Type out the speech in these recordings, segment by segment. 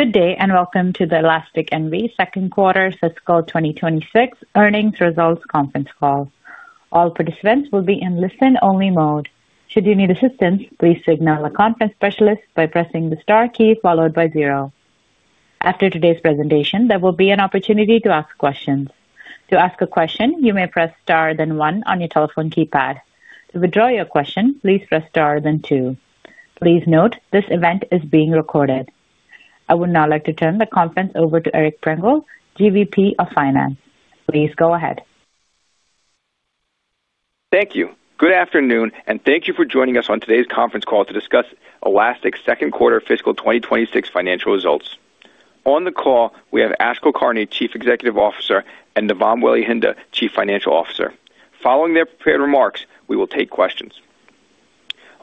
Good day and welcome to the Elastic second quarter fiscal 2026 earnings results conference call. All participants will be in listen-only mode. Should you need assistance, please signal a conference specialist by pressing the star key followed by zero. After today's presentation, there will be an opportunity to ask questions. To ask a question, you may press star then one on your telephone keypad. To withdraw your question, please press star then two. Please note this event is being recorded. I would now like to turn the conference over to Eric Prengel, GVP of Finance. Please go ahead. Thank you. Good afternoon, and thank you for joining us on today's conference call to discuss Elastic second quarter fiscal 2026 financial results. On the call, we have Ash Kulkarni, Chief Executive Officer, and Navam Welihinda, Chief Financial Officer. Following their prepared remarks, we will take questions.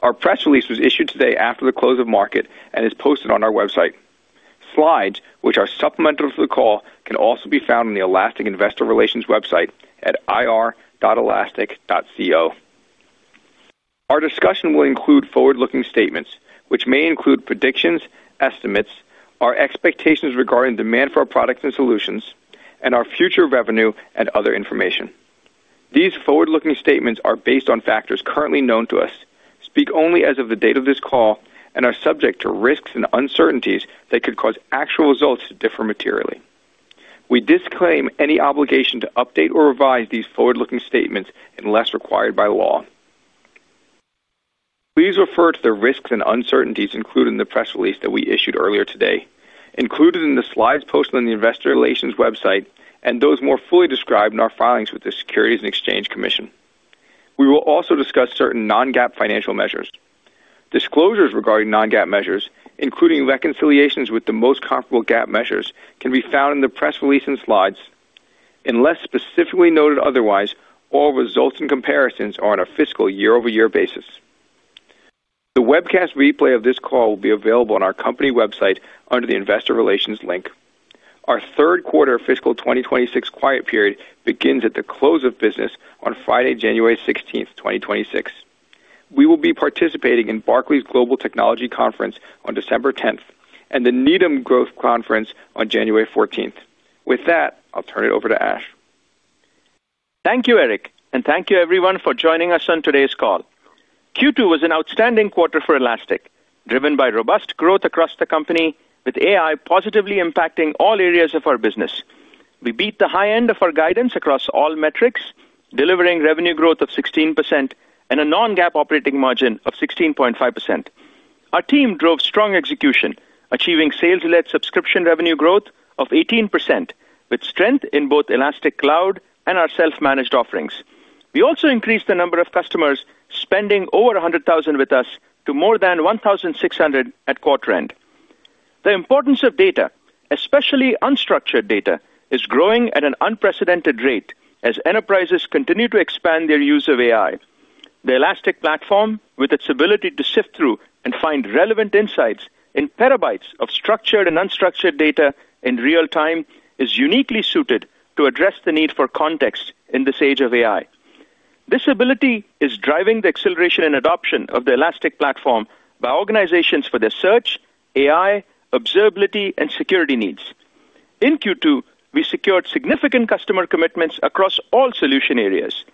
Our press release was issued today after the close of market and is posted on our website. Slides, which are supplemental to the call, can also be found on the Elastic Investor Relations website at ir.elastic.co. Our discussion will include forward-looking statements, which may include predictions, estimates, our expectations regarding demand for our products and solutions, and our future revenue and other information. These forward-looking statements are based on factors currently known to us, speak only as of the date of this call, and are subject to risks and uncertainties that could cause actual results to differ materially. We disclaim any obligation to update or revise these forward-looking statements unless required by law. Please refer to the risks and uncertainties included in the press release that we issued earlier today, included in the slides posted on the Investor Relations website, and those more fully described in our filings with the Securities and Exchange Commission. We will also discuss certain non-GAAP financial measures. Disclosures regarding non-GAAP measures, including reconciliations with the most comparable GAAP measures, can be found in the press release and slides. Unless specifically noted otherwise, all results and comparisons are on a fiscal year-over-year basis. The webcast replay of this call will be available on our company website under the Investor Relations link. Our third quarter fiscal 2026 quiet period begins at the close of business on Friday, January 16th, 2026. We will be participating in Barclays Global Technology Conference on December 10 and the Needham Growth Conference on January 14. With that, I'll turn it over to Ash. Thank you, Eric, and thank you everyone for joining us on today's call. Q2 was an outstanding quarter for Elastic, driven by robust growth across the company, with AI positively impacting all areas of our business. We beat the high end of our guidance across all metrics, delivering revenue growth of 16% and a non-GAAP operating margin of 16.5%. Our team drove strong execution, achieving sales-led subscription revenue growth of 18%, with strength in both Elastic Cloud and our self-managed offerings. We also increased the number of customers spending over $100,000 with us to more than 1,600 at quarter end. The importance of data, especially unstructured data, is growing at an unprecedented rate as enterprises continue to expand their use of AI. The Elastic platform, with its ability to sift through and find relevant insights in terabytes of structured and unstructured data in real time, is uniquely suited to address the need for context in this age of AI. This ability is driving the acceleration and adoption of the Elastic platform by organizations for their search, AI, observability, and security needs. In Q2, we secured significant customer commitments across all solution areas.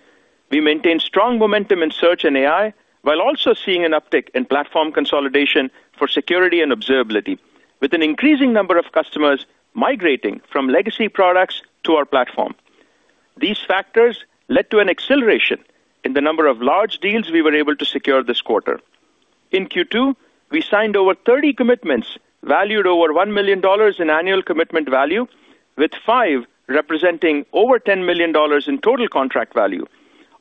We maintained strong momentum in search and AI while also seeing an uptick in platform consolidation for security and observability, with an increasing number of customers migrating from legacy products to our platform. These factors led to an acceleration in the number of large deals we were able to secure this quarter. In Q2, we signed over 30 commitments valued over $1 million in annual commitment value, with five representing over $10 million in total contract value.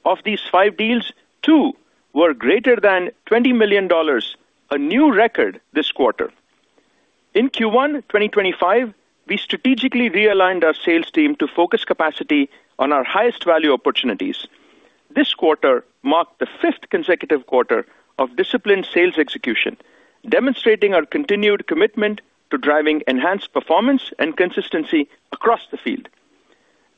Of these five deals, two were greater than $20 million, a new record this quarter. In Q1 2025, we strategically realigned our sales team to focus capacity on our highest value opportunities. This quarter marked the fifth consecutive quarter of disciplined sales execution, demonstrating our continued commitment to driving enhanced performance and consistency across the field.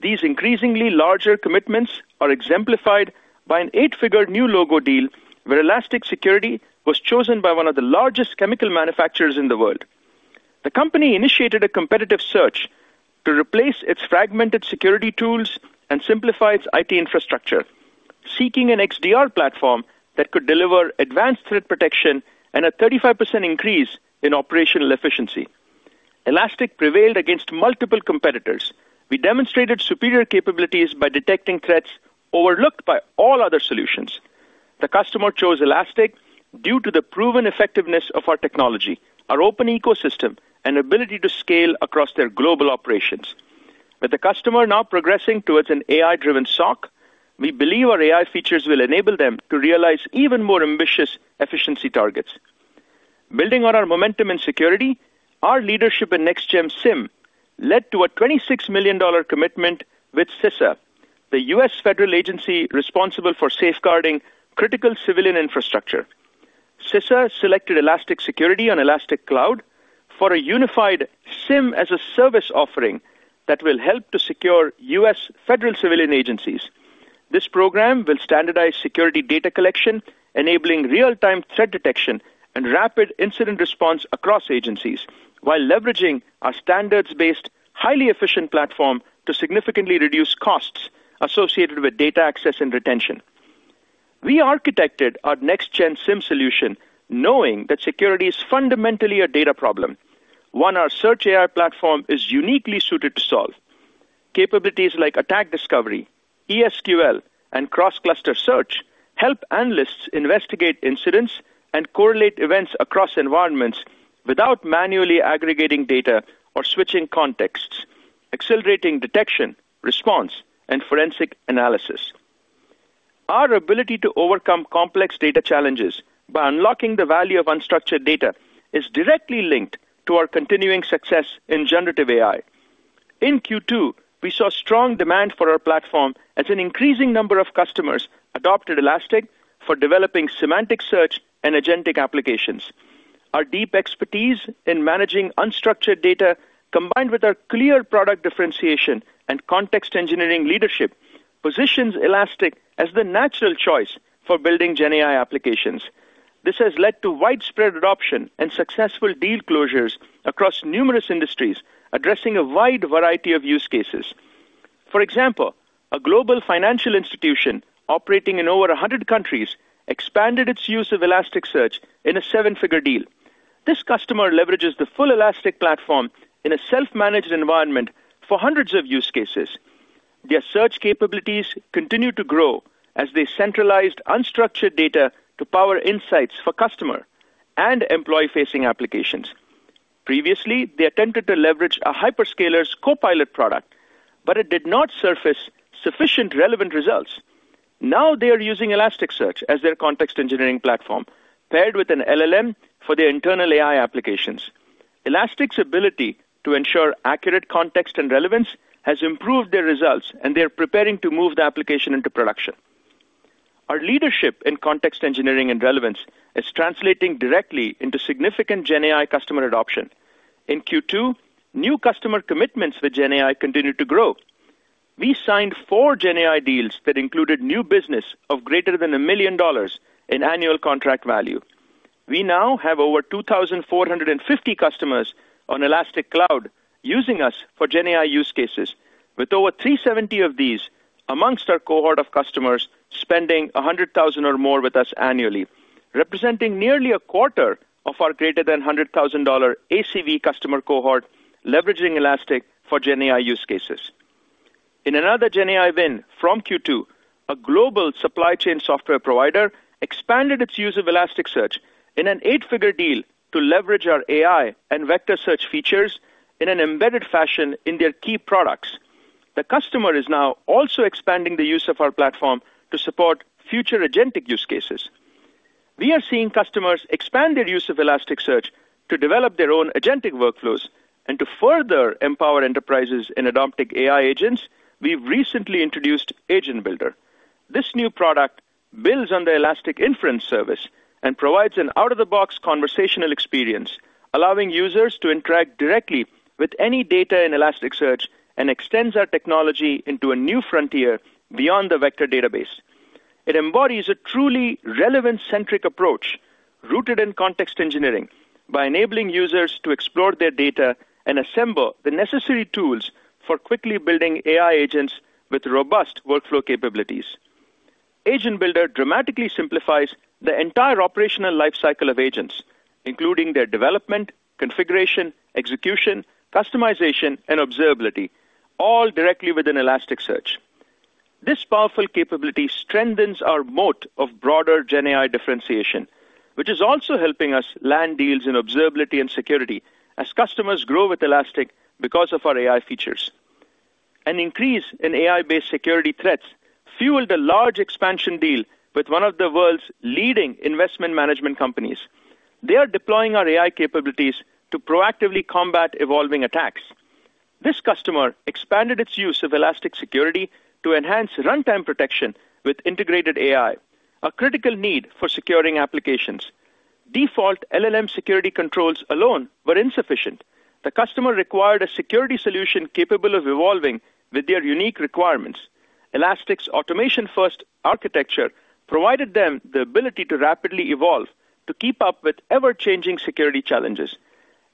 These increasingly larger commitments are exemplified by an eight-figure new logo deal where Elastic Security was chosen by one of the largest chemical manufacturers in the world. The company initiated a competitive search to replace its fragmented security tools and simplify its IT infrastructure, seeking an XDR platform that could deliver advanced threat protection and a 35% increase in operational efficiency. Elastic prevailed against multiple competitors. We demonstrated superior capabilities by detecting threats overlooked by all other solutions. The customer chose Elastic due to the proven effectiveness of our technology, our open ecosystem, and ability to scale across their global operations. With the customer now progressing towards an AI-driven SOC, we believe our AI features will enable them to realize even more ambitious efficiency targets. Building on our momentum in security, our leadership in NextGen SIM led to a $26 million commitment with CISA, the U.S. federal agency responsible for safeguarding critical civilian infrastructure. CISA selected Elastic Security on Elastic Cloud for a unified SIM-as-a-service offering that will help to secure U.S. federal civilian agencies. This program will standardize security data collection, enabling real-time threat detection and rapid incident response across agencies, while leveraging our standards-based, highly efficient platform to significantly reduce costs associated with data access and retention. We architected our NextGen SIM solution knowing that security is fundamentally a data problem, one our search AI platform is uniquely suited to solve. Capabilities like Attack Discovery, ESQL, and Cross-Cluster Search help analysts investigate incidents and correlate events across environments without manually aggregating data or switching contexts, accelerating detection, response, and forensic analysis. Our ability to overcome complex data challenges by unlocking the value of unstructured data is directly linked to our continuing success in generative AI. In Q2, we saw strong demand for our platform as an increasing number of customers adopted Elastic for developing semantic search and agentic applications. Our deep expertise in managing unstructured data, combined with our clear product differentiation and context engineering leadership, positions Elastic as the natural choice for building GenAI applications. This has led to widespread adoption and successful deal closures across numerous industries, addressing a wide variety of use cases. For example, a global financial institution operating in over 100 countries expanded its use of Elastic Search in a seven-figure deal. This customer leverages the full Elastic platform in a self-managed environment for hundreds of use cases. Their search capabilities continue to grow as they centralize unstructured data to power insights for customer and employee-facing applications. Previously, they attempted to leverage a hyperscaler's copilot product, but it did not surface sufficient relevant results. Now they are using Elastic Search as their context engineering platform, paired with an LLM for their internal AI applications. Elastic's ability to ensure accurate context and relevance has improved their results, and they are preparing to move the application into production. Our leadership in context engineering and relevance is translating directly into significant GenAI customer adoption. In Q2, new customer commitments with GenAI continued to grow. We signed four GenAI deals that included new business of greater than $1 million in annual contract value. We now have over 2,450 customers on Elastic Cloud using us for GenAI use cases, with over 370 of these amongst our cohort of customers spending $100,000 or more with us annually, representing nearly a quarter of our greater than $100,000 ACV customer cohort leveraging Elastic for GenAI use cases. In another GenAI win from Q2, a global supply chain software provider expanded its use of Elastic Search in an eight-figure deal to leverage our AI and vector search features in an embedded fashion in their key products. The customer is now also expanding the use of our platform to support future agentic use cases. We are seeing customers expand their use of Elastic Search to develop their own agentic workflows and to further empower enterprises in adopting AI agents. We've recently introduced Agent Builder. This new product builds on the Elastic Inference service and provides an out-of-the-box conversational experience, allowing users to interact directly with any data in Elastic Search and extends our technology into a new frontier beyond the vector database. It embodies a truly relevance-centric approach rooted in context engineering by enabling users to explore their data and assemble the necessary tools for quickly building AI agents with robust workflow capabilities. Agent Builder dramatically simplifies the entire operational lifecycle of agents, including their development, configuration, execution, customization, and observability, all directly within Elastic Search. This powerful capability strengthens our moat of broader GenAI differentiation, which is also helping us land deals in observability and security as customers grow with Elastic because of our AI features. An increase in AI-based security threats fueled a large expansion deal with one of the world's leading investment management companies. They are deploying our AI capabilities to proactively combat evolving attacks. This customer expanded its use of Elastic Security to enhance runtime protection with integrated AI, a critical need for securing applications. Default LLM security controls alone were insufficient. The customer required a security solution capable of evolving with their unique requirements. Elastic's automation-first architecture provided them the ability to rapidly evolve to keep up with ever-changing security challenges.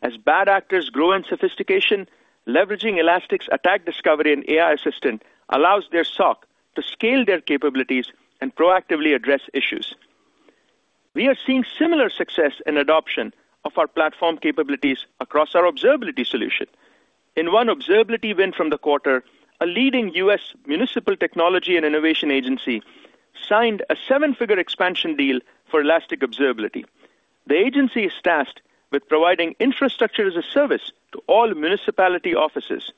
As bad actors grow in sophistication, leveraging Elastic's Attack Discovery and AI Assistant allows their SOC to scale their capabilities and proactively address issues. We are seeing similar success in adoption of our platform capabilities across our observability solution. In one observability win from the quarter, a leading U.S. municipal technology and innovation agency signed a seven-figure expansion deal for Elastic Observability. The agency is tasked with providing infrastructure as a service to all municipality offices.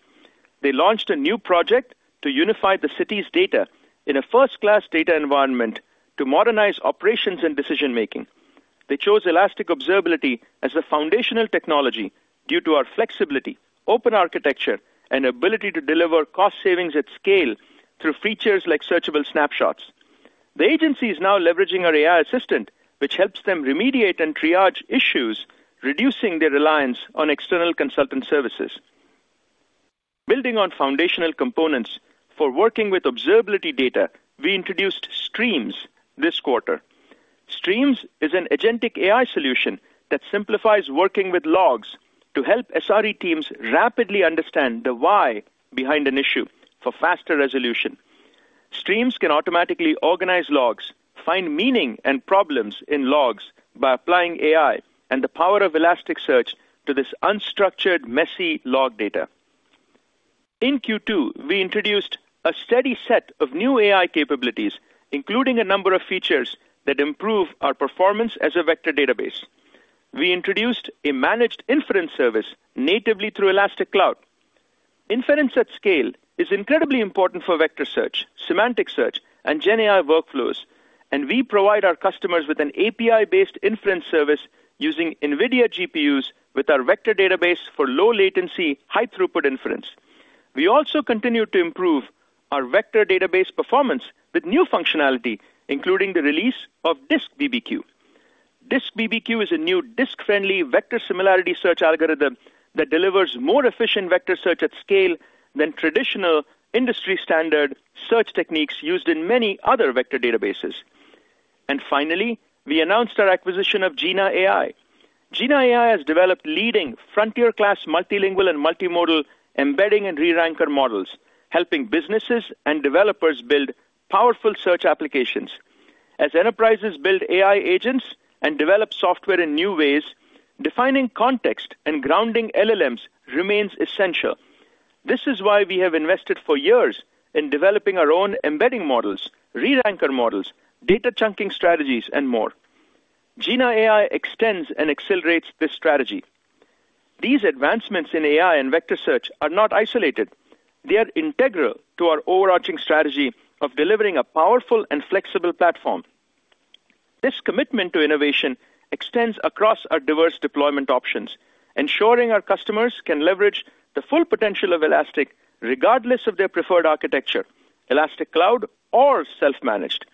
They launched a new project to unify the city's data in a first-class data environment to modernize operations and decision-making. They chose Elastic Observability as the foundational technology due to our flexibility, open architecture, and ability to deliver cost savings at scale through features like Searchable Snapshots. The agency is now leveraging our AI Assistant, which helps them remediate and triage issues, reducing their reliance on external consultant services. Building on foundational components for working with observability data, we introduced Streams this quarter. Streams is an agentic AI solution that simplifies working with logs to help SRE teams rapidly understand the why behind an issue for faster resolution. Streams can automatically organize logs, find meaning and problems in logs by applying AI and the power of Elastic Search to this unstructured, messy log data. In Q2, we introduced a steady set of new AI capabilities, including a number of features that improve our performance as a vector database. We introduced a managed inference service natively through Elastic Cloud. Inference at scale is incredibly important for vector search, semantic search, and GenAI workflows, and we provide our customers with an API-based inference service using NVIDIA GPUs with our vector database for low-latency, high-throughput inference. We also continue to improve our vector database performance with new functionality, including the release of DiskBBQ. DiskBBQ is a new disk-friendly vector similarity search algorithm that delivers more efficient vector search at scale than traditional industry-standard search techniques used in many other vector databases. Finally, we announced our acquisition of Jina AI. Jina AI has developed leading frontier-class multilingual and multimodal embedding and re-ranker models, helping businesses and developers build powerful search applications. As enterprises build AI agents and develop software in new ways, defining context and grounding LLMs remains essential. This is why we have invested for years in developing our own embedding models, re-ranker models, data chunking strategies, and more. Jina AI extends and accelerates this strategy. These advancements in AI and vector search are not isolated. They are integral to our overarching strategy of delivering a powerful and flexible platform. This commitment to innovation extends across our diverse deployment options, ensuring our customers can leverage the full potential of Elastic regardless of their preferred architecture, Elastic Cloud or self-managed.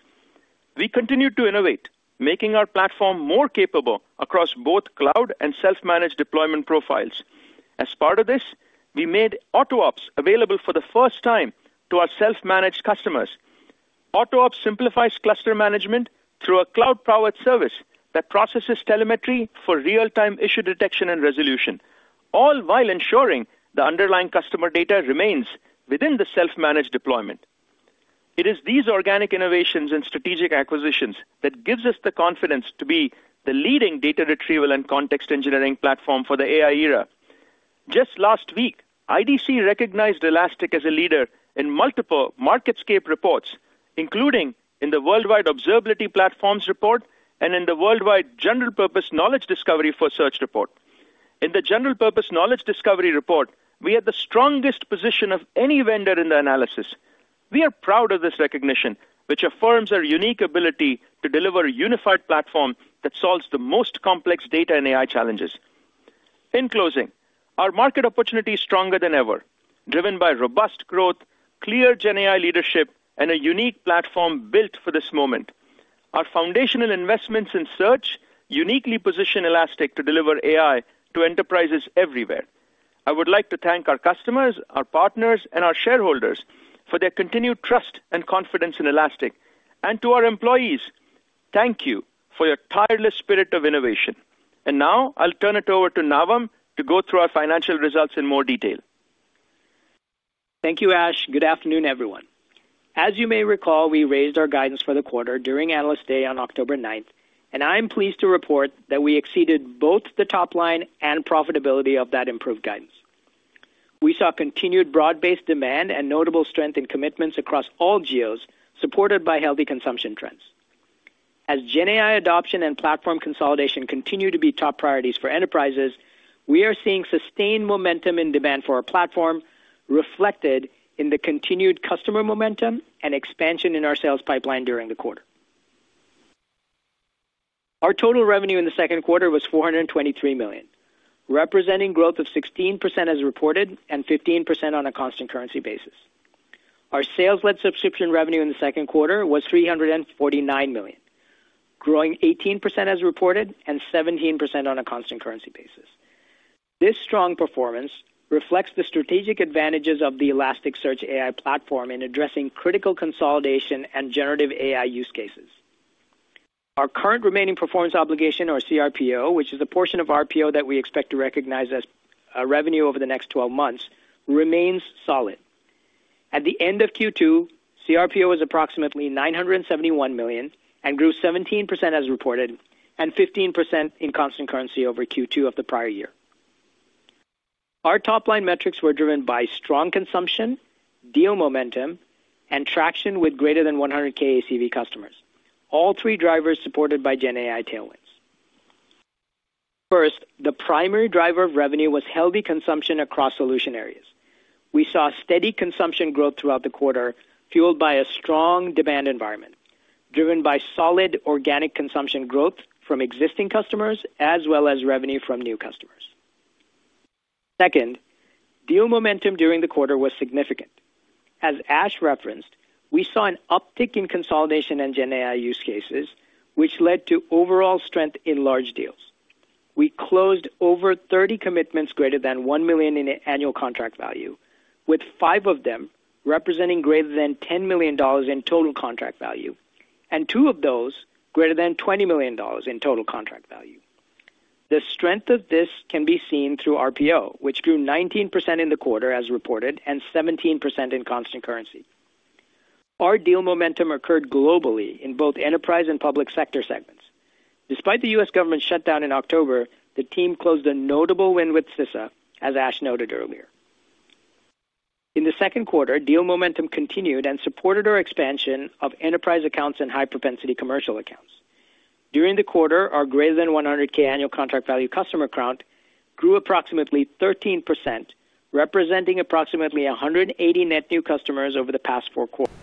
We continue to innovate, making our platform more capable across both cloud and self-managed deployment profiles. As part of this, we made AutoOps available for the first time to our self-managed customers. AutoOps simplifies cluster management through a cloud-powered service that processes telemetry for real-time issue detection and resolution, all while ensuring the underlying customer data remains within the self-managed deployment. It is these organic innovations and strategic acquisitions that give us the confidence to be the leading data retrieval and context engineering platform for the AI era. Just last week, IDC recognized Elastic as a leader in multiple MarketScape reports, including in the Worldwide Observability Platforms Report and in the Worldwide General Purpose Knowledge Discovery for Search Report. In the General Purpose Knowledge Discovery Report, we had the strongest position of any vendor in the analysis. We are proud of this recognition, which affirms our unique ability to deliver a unified platform that solves the most complex data and AI challenges. In closing, our market opportunity is stronger than ever, driven by robust growth, clear GenAI leadership, and a unique platform built for this moment. Our foundational investments in search uniquely position Elastic to deliver AI to enterprises everywhere. I would like to thank our customers, our partners, and our shareholders for their continued trust and confidence in Elastic. To our employees, thank you for your tireless spirit of innovation. Now I'll turn it over to Navam to go through our financial results in more detail. Thank you, Ash. Good afternoon, everyone. As you may recall, we raised our guidance for the quarter during Analyst Day on October 9th, and I am pleased to report that we exceeded both the top line and profitability of that improved guidance. We saw continued broad-based demand and notable strength in commitments across all geos supported by healthy consumption trends. As GenAI adoption and platform consolidation continue to be top priorities for enterprises, we are seeing sustained momentum in demand for our platform reflected in the continued customer momentum and expansion in our sales pipeline during the quarter. Our total revenue in the second quarter was $423 million, representing growth of 16% as reported and 15% on a constant currency basis. Our sales-led subscription revenue in the second quarter was $349 million, growing 18% as reported and 17% on a constant currency basis. This strong performance reflects the strategic advantages of the Elastic Search AI platform in addressing critical consolidation and generative AI use cases. Our current remaining performance obligation, or CRPO, which is a portion of RPO that we expect to recognize as revenue over the next 12 months, remains solid. At the end of Q2, CRPO was approximately $971 million and grew 17% as reported and 15% in constant currency over Q2 of the prior year. Our top line metrics were driven by strong consumption, deal momentum, and traction with greater than $100,000 ACV customers, all three drivers supported by GenAI tailwinds. First, the primary driver of revenue was healthy consumption across solution areas. We saw steady consumption growth throughout the quarter, fueled by a strong demand environment driven by solid organic consumption growth from existing customers as well as revenue from new customers. Second, deal momentum during the quarter was significant. As Ash referenced, we saw an uptick in consolidation and GenAI use cases, which led to overall strength in large deals. We closed over 30 commitments greater than $1 million in annual contract value, with five of them representing greater than $10 million in total contract value, and two of those greater than $20 million in total contract value. The strength of this can be seen through RPO, which grew 19% in the quarter as reported and 17% in constant currency. Our deal momentum occurred globally in both enterprise and public sector segments. Despite the U.S. government shutdown in October, the team closed a notable win with CISA, as Ash noted earlier. In the second quarter, deal momentum continued and supported our expansion of enterprise accounts and high-propensity commercial accounts. During the quarter, our greater than $100,000 annual contract value customer count grew approximately 13%, representing approximately 180 net new customers over the past four quarters,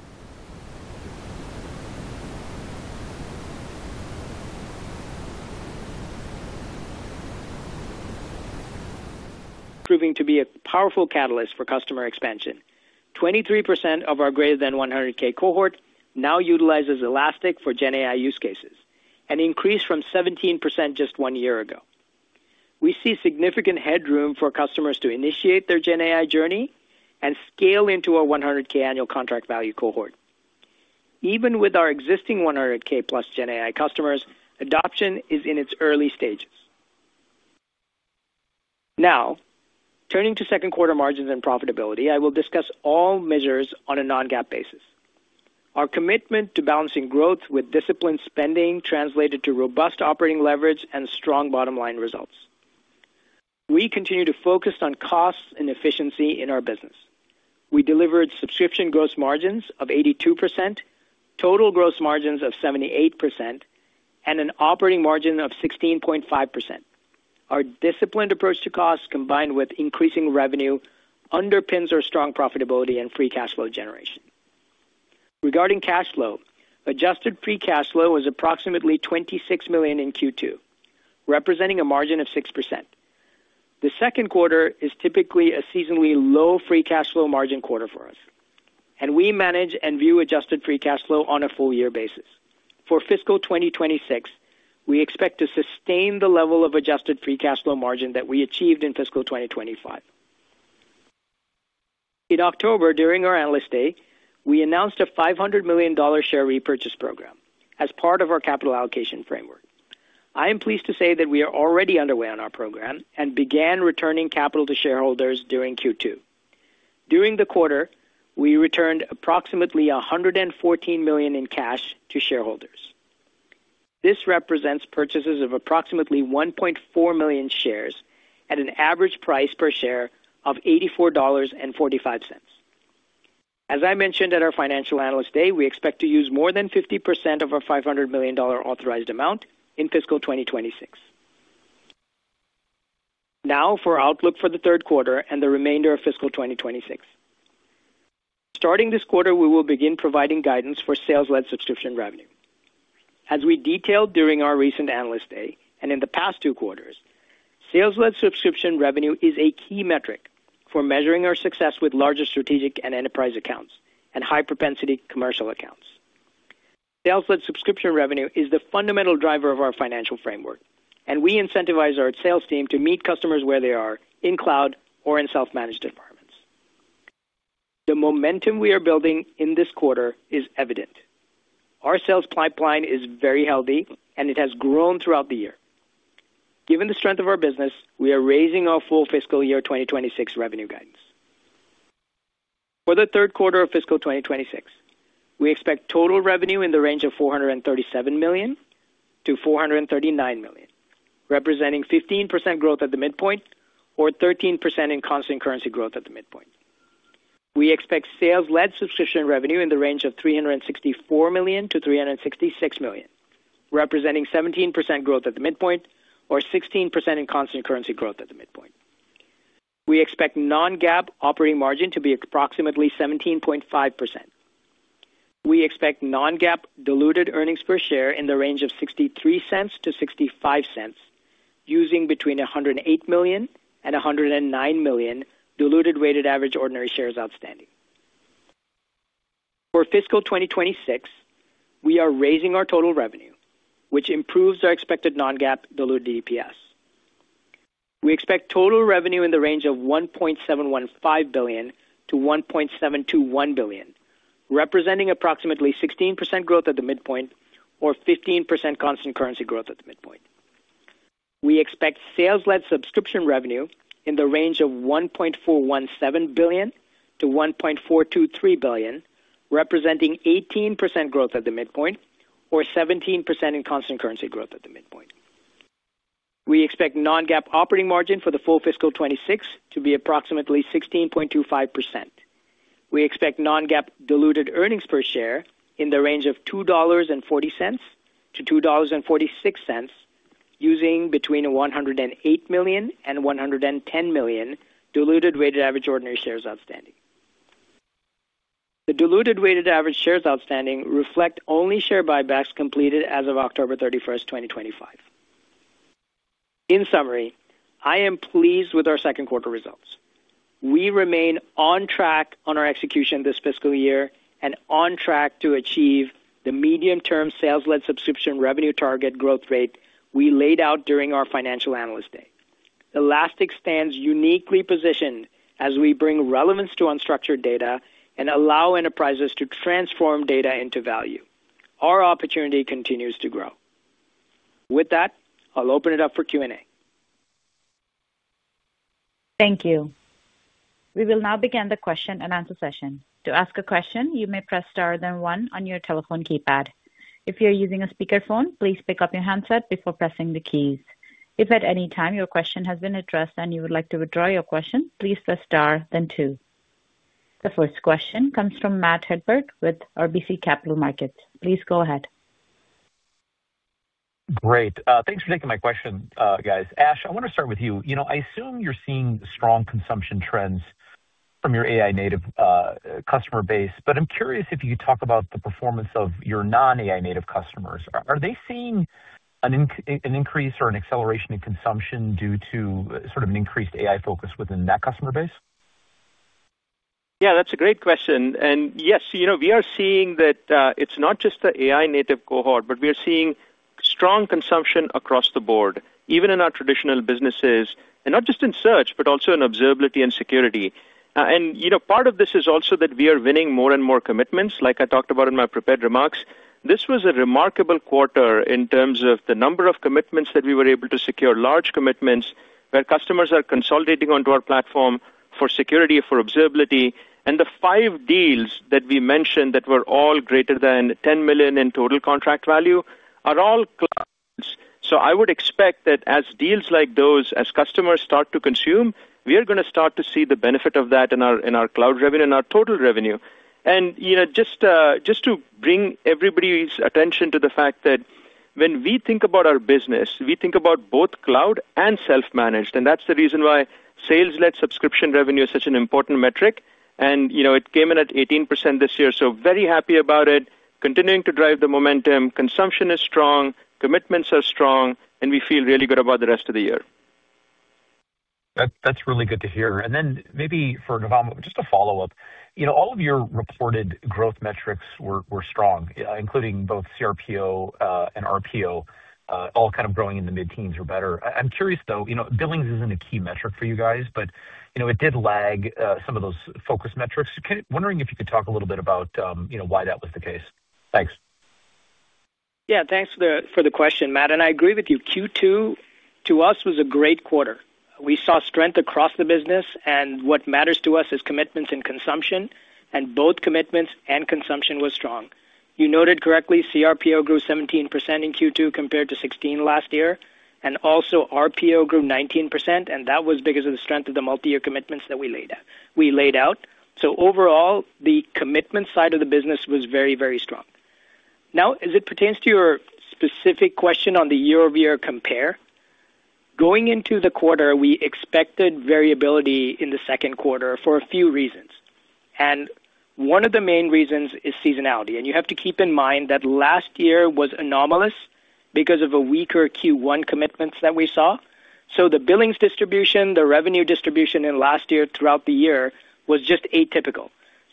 proving to be a powerful catalyst for customer expansion. 23% of our greater than $100,000 cohort now utilizes Elastic for GenAI use cases, an increase from 17% just one year ago. We see significant headroom for customers to initiate their GenAI journey and scale into our $100,000 annual contract value cohort. Even with our existing $100,000 plus GenAI customers, adoption is in its early stages. Now, turning to second quarter margins and profitability, I will discuss all measures on a non-GAAP basis. Our commitment to balancing growth with disciplined spending translated to robust operating leverage and strong bottom line results. We continue to focus on costs and efficiency in our business. We delivered subscription gross margins of 82%, total gross margins of 78%, and an operating margin of 16.5%. Our disciplined approach to costs, combined with increasing revenue, underpins our strong profitability and free cash flow generation. Regarding cash flow, adjusted free cash flow was approximately $26 million in Q2, representing a margin of 6%. The second quarter is typically a seasonally low free cash flow margin quarter for us, and we manage and view adjusted free cash flow on a full year basis. For fiscal 2026, we expect to sustain the level of adjusted free cash flow margin that we achieved in fiscal 2025. In October, during our Analyst Day, we announced a $500 million share repurchase program as part of our capital allocation framework. I am pleased to say that we are already underway on our program and began returning capital to shareholders during Q2. During the quarter, we returned approximately $114 million in cash to shareholders. This represents purchases of approximately 1.4 million shares at an average price per share of $84.45. As I mentioned at our financial analyst day, we expect to use more than 50% of our $500 million authorized amount in fiscal 2026. Now, for outlook for the third quarter and the remainder of fiscal 2026. Starting this quarter, we will begin providing guidance for sales-led subscription revenue. As we detailed during our recent Analyst Day and in the past two quarters, sales-led subscription revenue is a key metric for measuring our success with larger strategic and enterprise accounts and high-propensity commercial accounts. Sales-led subscription revenue is the fundamental driver of our financial framework, and we incentivize our sales team to meet customers where they are, in cloud or in self-managed environments. The momentum we are building in this quarter is evident. Our sales pipeline is very healthy, and it has grown throughout the year. Given the strength of our business, we are raising our full fiscal year 2026 revenue guidance. For the third quarter of fiscal 2026, we expect total revenue in the range of $437 million-$439 million, representing 15% growth at the midpoint or 13% in constant currency growth at the midpoint. We expect sales-led subscription revenue in the range of $364 million-$366 million, representing 17% growth at the midpoint or 16% in constant currency growth at the midpoint. We expect non-GAAP operating margin to be approximately 17.5%. We expect non-GAAP diluted earnings per share in the range of $0.63-$0.65, using between 108 million and 109 million diluted weighted average ordinary shares outstanding. For fiscal 2026, we are raising our total revenue, which improves our expected non-GAAP diluted EPS. We expect total revenue in the range of $1.715 billion-$1.721 billion, representing approximately 16% growth at the midpoint or 15% constant currency growth at the midpoint. We expect sales-led subscription revenue in the range of $1.417 billion-$1.423 billion, representing 18% growth at the midpoint or 17% in constant currency growth at the midpoint. We expect non-GAAP operating margin for the full fiscal 2026 to be approximately 16.25%. We expect non-GAAP diluted earnings per share in the range of $2.40-$2.46, using between 108 million and 110 million diluted weighted average ordinary shares outstanding. The diluted weighted average shares outstanding reflect only share buybacks completed as of October 31, 2025. In summary, I am pleased with our second quarter results. We remain on track on our execution this fiscal year and on track to achieve the medium-term sales-led subscription revenue target growth rate we laid out during our financial analyst day. Elastic stands uniquely positioned as we bring relevance to unstructured data and allow enterprises to transform data into value. Our opportunity continues to grow. With that, I'll open it up for Q&A. Thank you. We will now begin the question and answer session. To ask a question, you may press star then one on your telephone keypad. If you're using a speakerphone, please pick up your handset before pressing the keys. If at any time your question has been addressed and you would like to withdraw your question, please press star then two. The first question comes from Matt Helberg with RBC Capital Markets. Please go ahead. Great. Thanks for taking my question, guys. Ash, I want to start with you. You know, I assume you're seeing strong consumption trends from your AI-native customer base, but I'm curious if you could talk about the performance of your non-AI-native customers. Are they seeing an increase or an acceleration in consumption due to sort of an increased AI focus within that customer base? Yeah, that's a great question. Yes, you know, we are seeing that it's not just the AI-native cohort, but we are seeing strong consumption across the board, even in our traditional businesses, and not just in search, but also in observability and security. You know, part of this is also that we are winning more and more commitments, like I talked about in my prepared remarks. This was a remarkable quarter in terms of the number of commitments that we were able to secure, large commitments where customers are consolidating onto our platform for security, for observability. The five deals that we mentioned that were all greater than $10 million in total contract value are all clouds. I would expect that as deals like those, as customers start to consume, we are going to start to see the benefit of that in our cloud revenue and our total revenue. You know, just to bring everybody's attention to the fact that when we think about our business, we think about both cloud and self-managed. That is the reason why sales-led subscription revenue is such an important metric. You know, it came in at 18% this year. Very happy about it, continuing to drive the momentum. Consumption is strong, commitments are strong, and we feel really good about the rest of the year. That's really good to hear. Maybe for Navam, just a follow-up. You know, all of your reported growth metrics were strong, including both CRPO and RPO, all kind of growing in the mid-teens or better. I'm curious though, you know, billings isn't a key metric for you guys, but you know, it did lag some of those focus metrics. Wondering if you could talk a little bit about why that was the case. Thanks. Yeah, thanks for the question, Matt. I agree with you. Q2 to us was a great quarter. We saw strength across the business, and what matters to us is commitments and consumption, and both commitments and consumption were strong. You noted correctly, CRPO grew 17% in Q2 compared to 16% last year, and also RPO grew 19%, and that was because of the strength of the multi-year commitments that we laid out. Overall, the commitment side of the business was very, very strong. Now, as it pertains to your specific question on the year-over-year compare, going into the quarter, we expected variability in the second quarter for a few reasons. One of the main reasons is seasonality. You have to keep in mind that last year was anomalous because of a weaker Q1 commitments that we saw. The billings distribution, the revenue distribution in last year throughout the year was just atypical.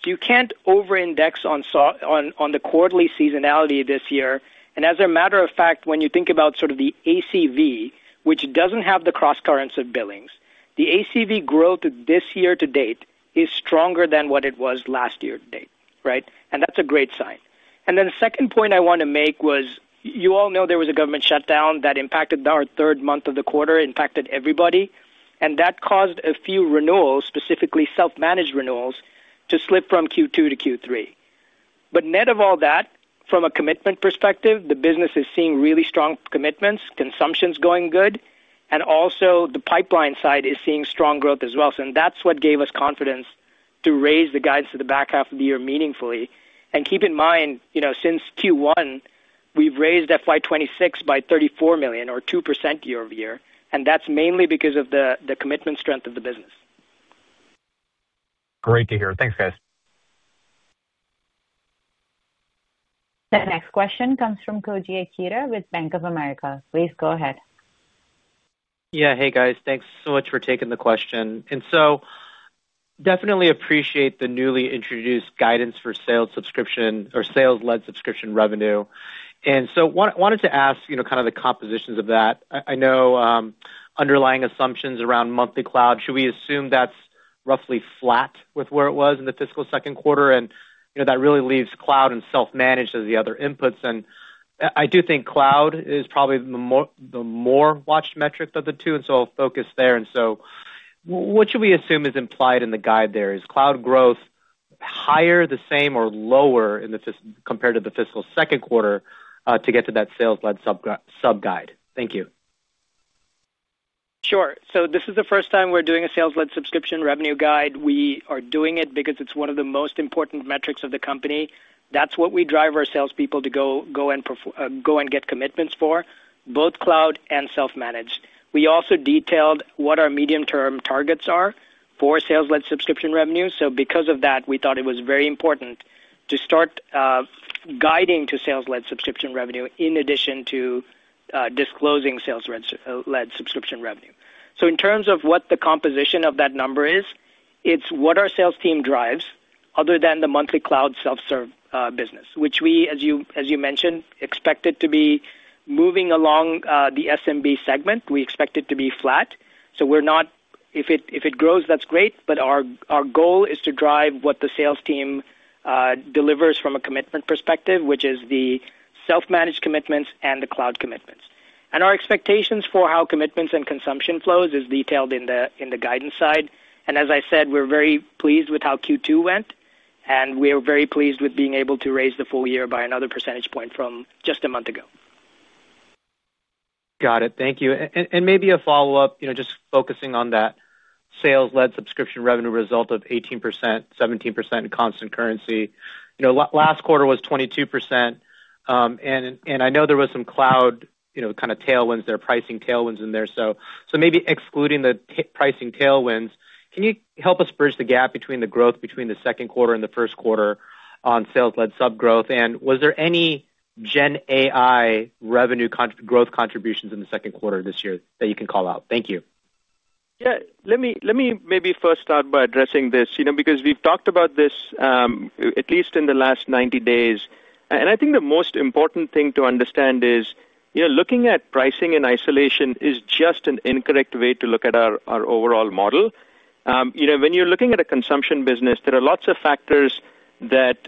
You can't over-index on the quarterly seasonality this year. As a matter of fact, when you think about sort of the ACV, which does not have the cross currents of billings, the ACV growth this year to date is stronger than what it was last year to date, right? That is a great sign. The second point I want to make was, you all know there was a government shutdown that impacted our third month of the quarter, impacted everybody, and that caused a few renewals, specifically self-managed renewals, to slip from Q2 to Q3. Net of all that, from a commitment perspective, the business is seeing really strong commitments, consumption is going good, and also the pipeline side is seeing strong growth as well. That is what gave us confidence to raise the guidance to the back half of the year meaningfully. Keep in mind, you know, since Q1, we've raised FY26 by $34 million, or 2% year over year, and that's mainly because of the commitment strength of the business. Great to hear. Thanks, guys. The next question comes from Koji Akira with Bank of America. Please go ahead. Yeah, hey guys, thanks so much for taking the question. I definitely appreciate the newly introduced guidance for sales subscription or sales-led subscription revenue. I wanted to ask, you know, kind of the compositions of that. I know underlying assumptions around monthly cloud, should we assume that's roughly flat with where it was in the fiscal second quarter? You know, that really leaves cloud and self-managed as the other inputs. I do think cloud is probably the more watched metric of the two, so I'll focus there. What should we assume is implied in the guide there? Is cloud growth higher, the same, or lower compared to the fiscal second quarter to get to that sales-led sub-guide? Thank you. Sure. This is the first time we're doing a sales-led subscription revenue guide. We are doing it because it's one of the most important metrics of the company. That's what we drive our salespeople to go and get commitments for, both cloud and self-managed. We also detailed what our medium-term targets are for sales-led subscription revenue. Because of that, we thought it was very important to start guiding to sales-led subscription revenue in addition to disclosing sales-led subscription revenue. In terms of what the composition of that number is, it's what our sales team drives other than the monthly cloud self-serve business, which we, as you mentioned, expected to be moving along the SMB segment. We expect it to be flat. If it grows, that's great, but our goal is to drive what the sales team delivers from a commitment perspective, which is the self-managed commitments and the cloud commitments. Our expectations for how commitments and consumption flows is detailed in the guidance side. As I said, we're very pleased with how Q2 went, and we're very pleased with being able to raise the full year by another percentage point from just a month ago. Got it. Thank you. Maybe a follow-up, you know, just focusing on that sales-led subscription revenue result of 18%, 17% in constant currency. You know, last quarter was 22%, and I know there were some cloud, you know, kind of tailwinds there, pricing tailwinds in there. Maybe excluding the pricing tailwinds, can you help us bridge the gap between the growth between the second quarter and the first quarter on sales-led sub-growth? Was there any GenAI revenue growth contributions in the second quarter this year that you can call out? Thank you. Yeah, let me maybe first start by addressing this, you know, because we've talked about this at least in the last 90 days. I think the most important thing to understand is, you know, looking at pricing in isolation is just an incorrect way to look at our overall model. You know, when you're looking at a consumption business, there are lots of factors that,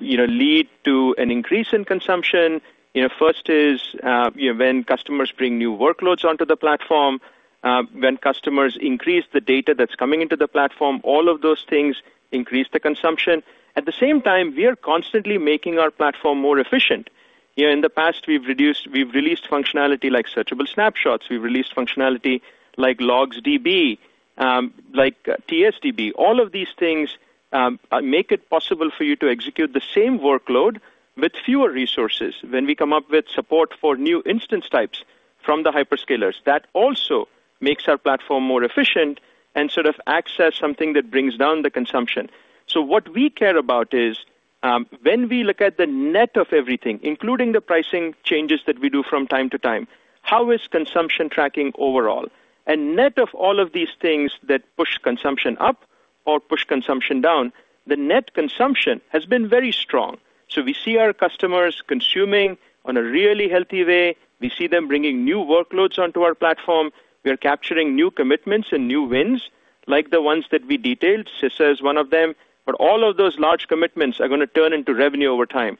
you know, lead to an increase in consumption. You know, first is, you know, when customers bring new workloads onto the platform, when customers increase the data that's coming into the platform, all of those things increase the consumption. At the same time, we are constantly making our platform more efficient. You know, in the past, we've released functionality like Searchable Snapshots. We've released functionality like LogsDB, like TSDB. All of these things make it possible for you to execute the same workload with fewer resources when we come up with support for new instance types from the hyperscalers. That also makes our platform more efficient and sort of access something that brings down the consumption. What we care about is when we look at the net of everything, including the pricing changes that we do from time to time, how is consumption tracking overall? Net of all of these things that push consumption up or push consumption down, the net consumption has been very strong. We see our customers consuming in a really healthy way. We see them bringing new workloads onto our platform. We are capturing new commitments and new wins, like the ones that we detailed. CISA is one of them, but all of those large commitments are going to turn into revenue over time.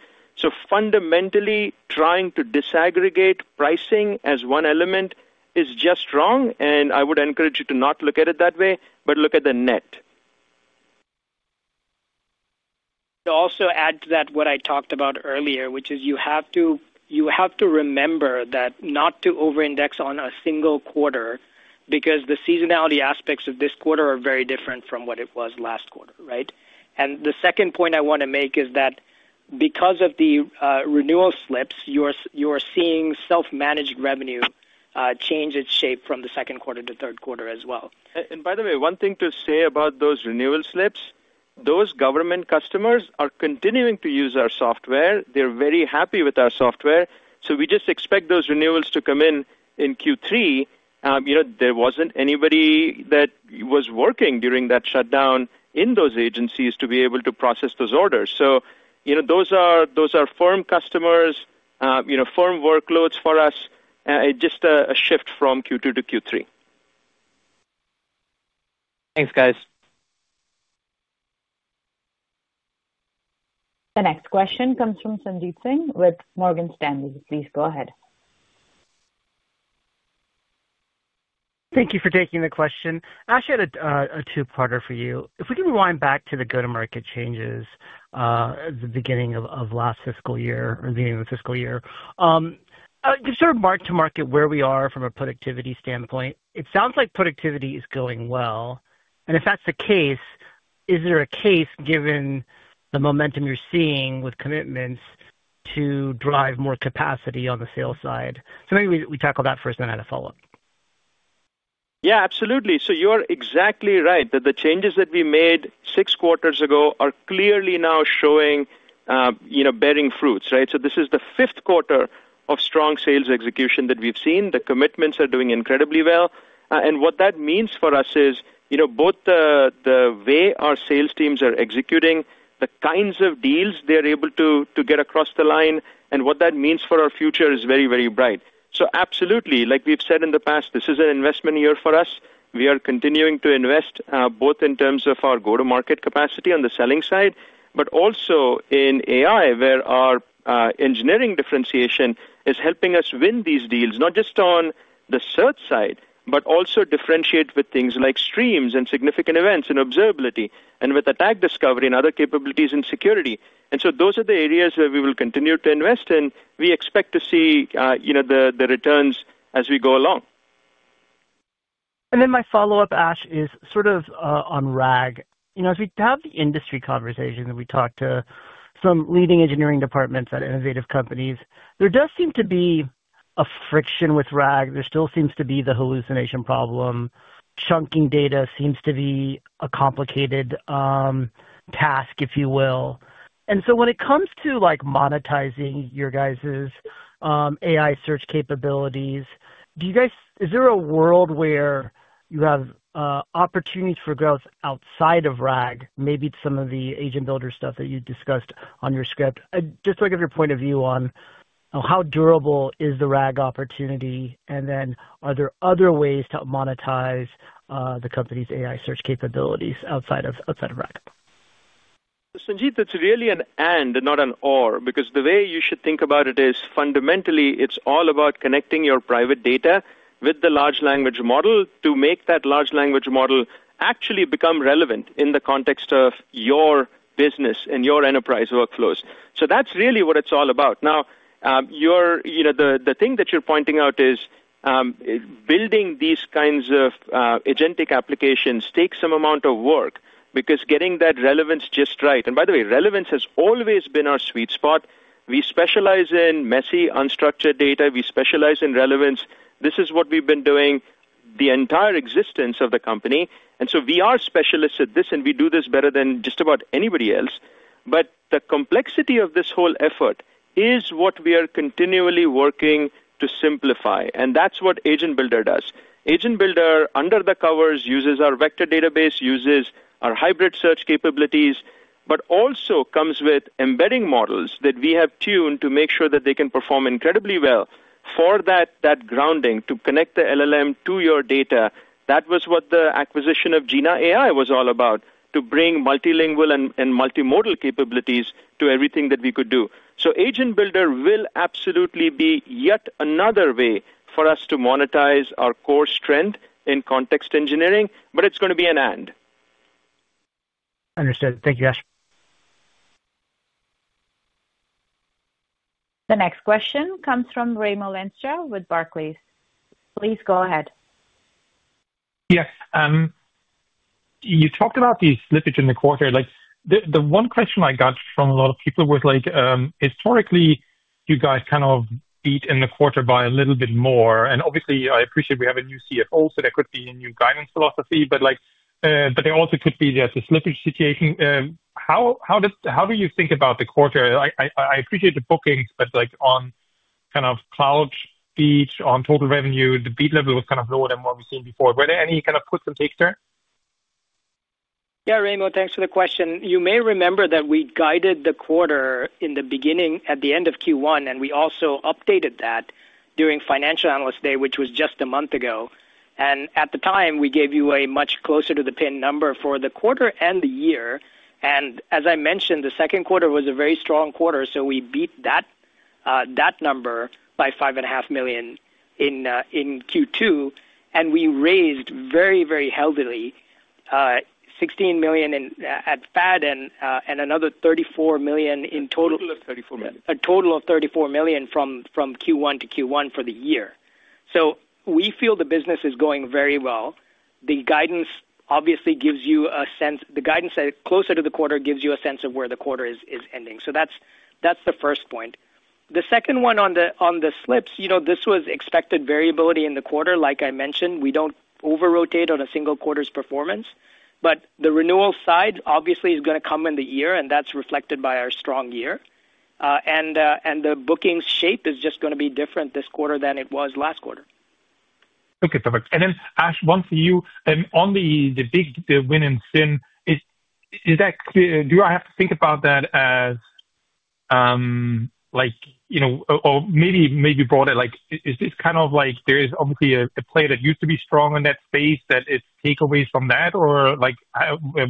Fundamentally, trying to disaggregate pricing as one element is just wrong, and I would encourage you to not look at it that way, but look at the net. I'll also add to that what I talked about earlier, which is you have to remember not to over-index on a single quarter because the seasonality aspects of this quarter are very different from what it was last quarter, right? The second point I want to make is that because of the renewal slips, you are seeing self-managed revenue change its shape from the second quarter to third quarter as well. By the way, one thing to say about those renewal slips, those government customers are continuing to use our software. They're very happy with our software. We just expect those renewals to come in in Q3. You know, there wasn't anybody that was working during that shutdown in those agencies to be able to process those orders. You know, those are firm customers, you know, firm workloads for us. It's just a shift from Q2 to Q3. Thanks, guys. The next question comes from Sanjit Singh with Morgan Stanley. Please go ahead. Thank you for taking the question. Ash, I had a two-parter for you. If we can rewind back to the go-to-market changes at the beginning of last fiscal year or the beginning of the fiscal year, just sort of mark to market where we are from a productivity standpoint. It sounds like productivity is going well. If that's the case, is there a case given the momentum you're seeing with commitments to drive more capacity on the sales side? Maybe we tackle that first and then add a follow-up. Yeah, absolutely. You're exactly right that the changes that we made six quarters ago are clearly now showing, you know, bearing fruits, right? This is the fifth quarter of strong sales execution that we've seen. The commitments are doing incredibly well. What that means for us is, you know, both the way our sales teams are executing, the kinds of deals they're able to get across the line, and what that means for our future is very, very bright. Absolutely, like we've said in the past, this is an investment year for us. We are continuing to invest both in terms of our go-to-market capacity on the selling side, but also in AI, where our engineering differentiation is helping us win these deals, not just on the search side, but also differentiate with things like Streams and significant events and observability and with Attack Discovery and other capabilities in security. Those are the areas where we will continue to invest in. We expect to see, you know, the returns as we go along. My follow-up, Ash, is sort of on RAG. You know, as we have the industry conversations and we talk to some leading engineering departments at innovative companies, there does seem to be a friction with RAG. There still seems to be the hallucination problem. Chunking data seems to be a complicated task, if you will. When it comes to, like, monetizing your guys' AI search capabilities, do you guys, is there a world where you have opportunities for growth outside of RAG, maybe some of the Agent Builder stuff that you discussed on your script? Just to give your point of view on how durable is the RAG opportunity, and then are there other ways to monetize the company's AI search capabilities outside of RAG? Sanjeet, it's really an and, not an or, because the way you should think about it is fundamentally it's all about connecting your private data with the large language model to make that large language model actually become relevant in the context of your business and your enterprise workflows. That's really what it's all about. Now, you know, the thing that you're pointing out is building these kinds of agentic applications takes some amount of work because getting that relevance just right, and by the way, relevance has always been our sweet spot. We specialize in messy, unstructured data. We specialize in relevance. This is what we've been doing the entire existence of the company. We are specialists at this, and we do this better than just about anybody else. The complexity of this whole effort is what we are continually working to simplify. That is what Agent Builder does. Agent Builder, under the covers, uses our vector database, uses our hybrid search capabilities, but also comes with embedding models that we have tuned to make sure that they can perform incredibly well. For that grounding to connect the LLM to your data, that was what the acquisition of Jina AI was all about, to bring multilingual and multimodal capabilities to everything that we could do. Agent Builder will absolutely be yet another way for us to monetize our core strength in context engineering, but it is going to be an and. Understood. Thank you, Ash. The next question comes from Raimo Lenschow with Barclays. Please go ahead. Yes. You talked about the slippage in the quarter. The one question I got from a lot of people was, like, historically, you guys kind of beat in the quarter by a little bit more. Obviously, I appreciate we have a new CFO, so there could be a new guidance philosophy, but like, there also could be the slippage situation. How do you think about the quarter? I appreciate the bookings, but like on kind of cloud speech, on total revenue, the beat level was kind of lower than what we've seen before. Were there any kind of puts and takes there? Yeah, Raimo, thanks for the question. You may remember that we guided the quarter in the beginning at the end of Q1, and we also updated that during Financial Analyst Day, which was just a month ago. At the time, we gave you a much closer to the pin number for the quarter and the year. As I mentioned, the second quarter was a very strong quarter, so we beat that number by $5.5 million in Q2. We raised very, very heavily, $16 million at FAD and another $34 million in total. A total of $34 million. A total of $34 million from Q1 to Q1 for the year. We feel the business is going very well. The guidance obviously gives you a sense, the guidance closer to the quarter gives you a sense of where the quarter is ending. That is the first point. The second one on the slips, you know, this was expected variability in the quarter. Like I mentioned, we do not over-rotate on a single quarter's performance, but the renewal side obviously is going to come in the year, and that is reflected by our strong year. The bookings shape is just going to be different this quarter than it was last quarter. Okay, perfect. Ash, one for you, and on the big win and sin, is that clear? Do I have to think about that as, like, you know, or maybe broader, like, is this kind of like, there is obviously a play that used to be strong in that space that it's takeaways from that, or like,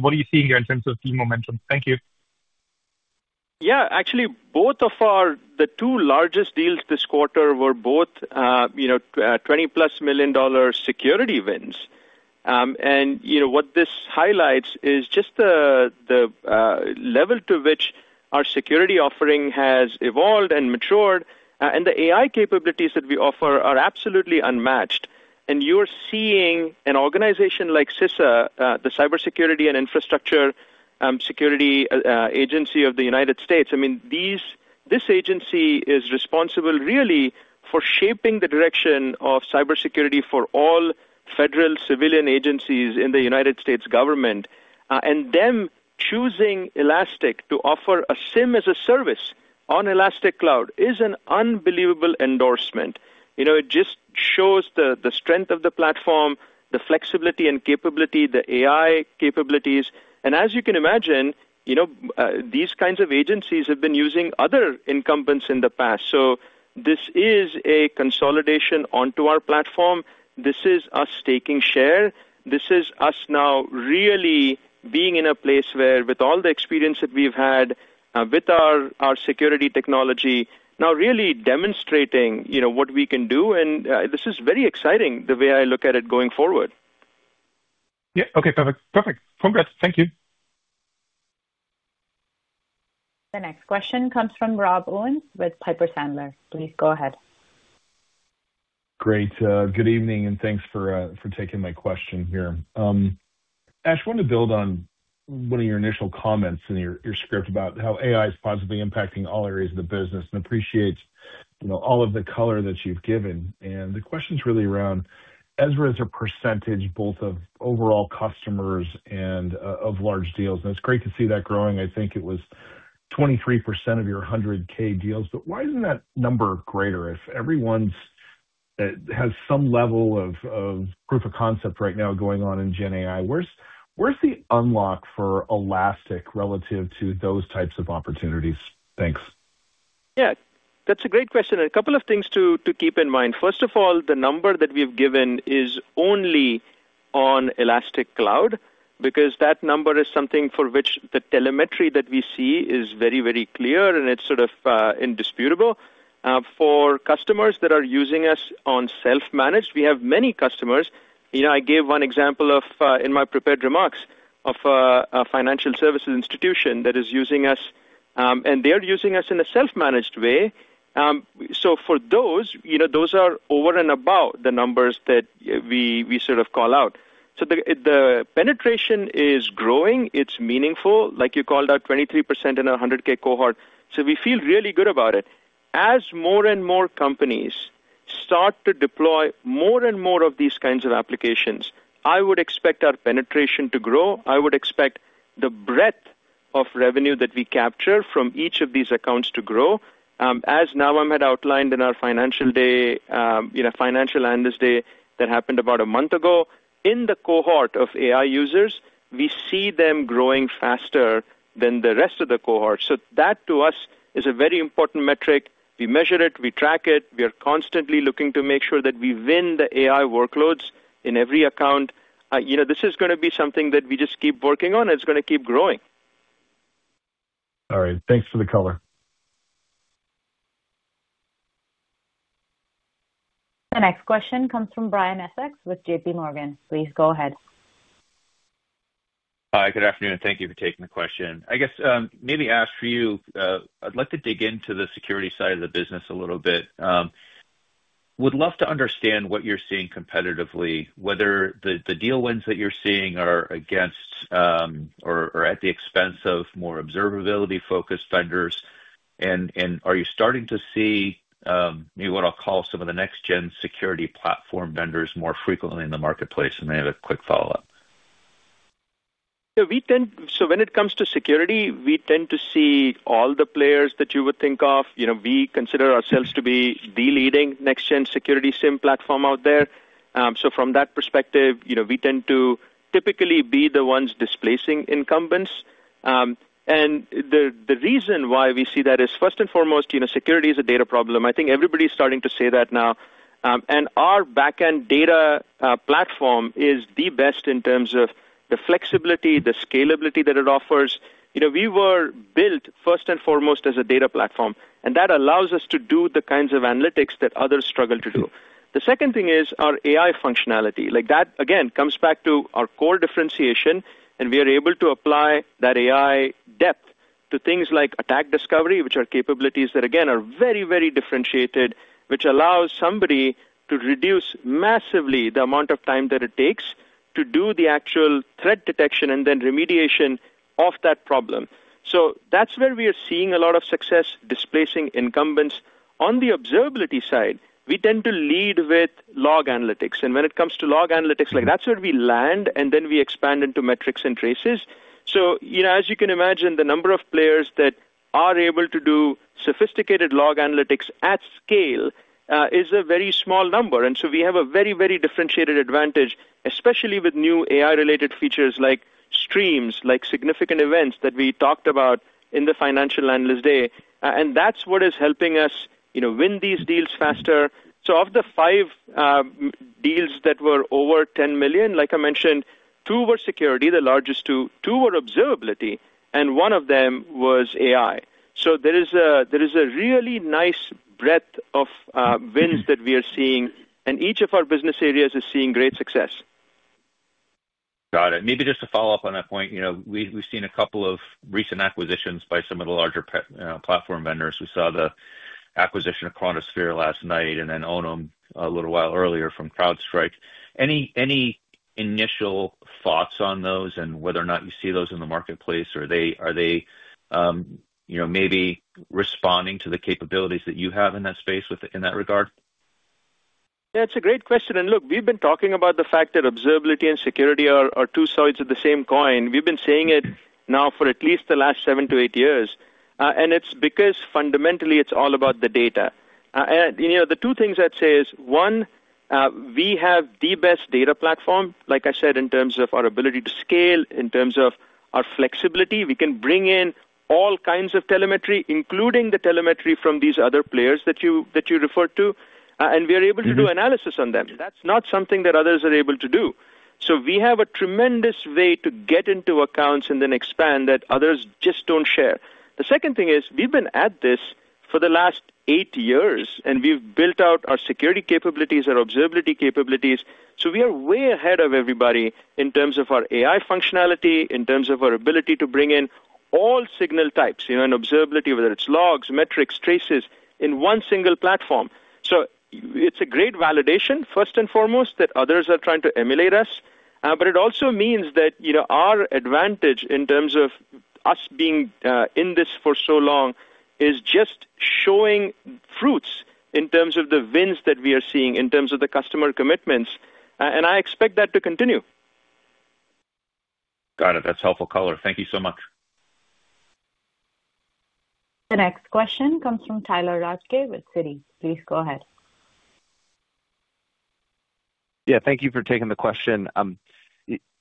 what are you seeing there in terms of team momentum? Thank you. Yeah, actually, both of our, the two largest deals this quarter were both, you know, $20 million-plus security wins. And, you know, what this highlights is just the level to which our security offering has evolved and matured, and the AI capabilities that we offer are absolutely unmatched. You are seeing an organization like CISA, the Cybersecurity and Infrastructure Security Agency of the United States. I mean, this agency is responsible really for shaping the direction of cybersecurity for all federal civilian agencies in the U.S. government. Them choosing Elastic to offer a SIM as a service on Elastic Cloud is an unbelievable endorsement. You know, it just shows the strength of the platform, the flexibility and capability, the AI capabilities. As you can imagine, you know, these kinds of agencies have been using other incumbents in the past. This is a consolidation onto our platform. This is us taking share. This is us now really being in a place where, with all the experience that we have had with our security technology, now really demonstrating, you know, what we can do. This is very exciting, the way I look at it going forward. Yeah, okay, perfect. Perfect. Congrats. Thank you. The next question comes from Rob Owens with Piper Sandler. Please go ahead. Great. Good evening and thanks for taking my question here. Ash, I want to build on one of your initial comments in your script about how AI is positively impacting all areas of the business and appreciate, you know, all of the color that you've given. The question's really around, as far as a percentage, both of overall customers and of large deals. It's great to see that growing. I think it was 23% of your $100,000 deals, but why isn't that number greater if everyone's that has some level of proof of concept right now going on in GenAI? Where's the unlock for Elastic relative to those types of opportunities? Thanks. Yeah, that's a great question. A couple of things to keep in mind. First of all, the number that we've given is only on Elastic Cloud because that number is something for which the telemetry that we see is very, very clear and it's sort of indisputable. For customers that are using us on self-managed, we have many customers. You know, I gave one example in my prepared remarks of a financial services institution that is using us, and they're using us in a self-managed way. For those, you know, those are over and above the numbers that we sort of call out. The penetration is growing. It's meaningful. Like you called out 23% in a 100K cohort. We feel really good about it. As more and more companies start to deploy more and more of these kinds of applications, I would expect our penetration to grow. I would expect the breadth of revenue that we capture from each of these accounts to grow. As Navam had outlined in our financial day, you know, financial anniversary that happened about a month ago, in the cohort of AI users, we see them growing faster than the rest of the cohort. So that to us is a very important metric. We measure it, we track it. We are constantly looking to make sure that we win the AI workloads in every account. You know, this is going to be something that we just keep working on. It's going to keep growing. All right. Thanks for the color. The next question comes from Brian Essex with JPMorgan. Please go ahead. Hi, good afternoon. Thank you for taking the question. I guess maybe, Ash, for you, I'd like to dig into the security side of the business a little bit. Would love to understand what you're seeing competitively, whether the deal wins that you're seeing are against or at the expense of more observability-focused vendors. Are you starting to see maybe what I'll call some of the next-gen security platform vendors more frequently in the marketplace? I have a quick follow-up. We tend, when it comes to security, to see all the players that you would think of. You know, we consider ourselves to be the leading next-gen security SIM platform out there. From that perspective, you know, we tend to typically be the ones displacing incumbents. The reason why we see that is first and foremost, you know, security is a data problem. I think everybody's starting to say that now. Our backend data platform is the best in terms of the flexibility, the scalability that it offers. You know, we were built first and foremost as a data platform, and that allows us to do the kinds of analytics that others struggle to do. The second thing is our AI functionality. Like that, again, comes back to our core differentiation, and we are able to apply that AI depth to things like attack discovery, which are capabilities that, again, are very, very differentiated, which allows somebody to reduce massively the amount of time that it takes to do the actual threat detection and then remediation of that problem. That is where we are seeing a lot of success displacing incumbents. On the observability side, we tend to lead with log analytics. And when it comes to log analytics, like that's where we land, and then we expand into metrics and traces. You know, as you can imagine, the number of players that are able to do sophisticated log analytics at scale is a very small number. We have a very, very differentiated advantage, especially with new AI-related features like Streams, like significant events that we talked about in the Financial Analyst Day. That is what is helping us, you know, win these deals faster. Of the five deals that were over $10 million, like I mentioned, two were security, the largest two, two were observability, and one of them was AI. There is a really nice breadth of wins that we are seeing, and each of our business areas is seeing great success. Got it. Maybe just to follow up on that point, you know, we've seen a couple of recent acquisitions by some of the larger platform vendors. We saw the acquisition of Chronosphere last night and then ONUM a little while earlier from CrowdStrike. Any initial thoughts on those and whether or not you see those in the marketplace? Are they, you know, maybe responding to the capabilities that you have in that space in that regard? That's a great question. Look, we've been talking about the fact that observability and security are two sides of the same coin. We've been saying it now for at least the last seven to eight years. It's because fundamentally it's all about the data. You know, the two things I'd say is one, we have the best data platform, like I said, in terms of our ability to scale, in terms of our flexibility. We can bring in all kinds of telemetry, including the telemetry from these other players that you referred to, and we are able to do analysis on them. That's not something that others are able to do. We have a tremendous way to get into accounts and then expand that others just don't share. The second thing is we've been at this for the last eight years, and we've built out our security capabilities, our observability capabilities. We are way ahead of everybody in terms of our AI functionality, in terms of our ability to bring in all signal types, you know, and observability, whether it's logs, metrics, traces in one single platform. It's a great validation, first and foremost, that others are trying to emulate us. It also means that, you know, our advantage in terms of us being in this for so long is just showing fruits in terms of the wins that we are seeing in terms of the customer commitments. I expect that to continue. Got it. That's helpful color. Thank you so much. The next question comes from Tyler Radke with Citi. Please go ahead. Yeah, thank you for taking the question.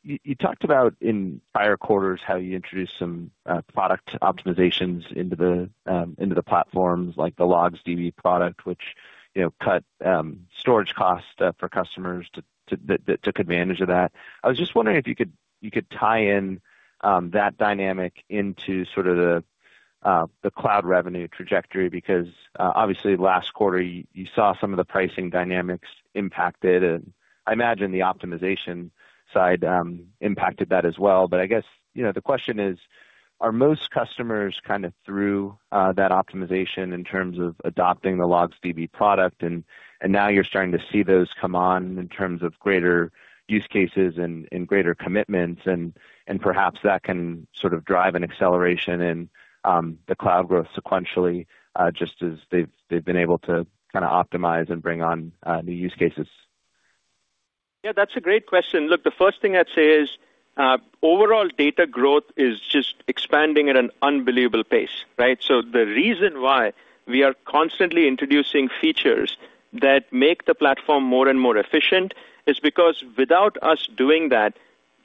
You talked about in prior quarters how you introduced some product optimizations into the platforms, like the LogsDB product, which, you know, cut storage costs for customers to take advantage of that. I was just wondering if you could tie in that dynamic into sort of the cloud revenue trajectory because obviously last quarter you saw some of the pricing dynamics impacted, and I imagine the optimization side impacted that as well. I guess, you know, the question is, are most customers kind of through that optimization in terms of adopting the LogsDB product? Now you're starting to see those come on in terms of greater use cases and greater commitments. Perhaps that can sort of drive an acceleration in the cloud growth sequentially, just as they've been able to kind of optimize and bring on new use cases. Yeah, that's a great question. Look, the first thing I'd say is overall data growth is just expanding at an unbelievable pace, right? The reason why we are constantly introducing features that make the platform more and more efficient is because without us doing that,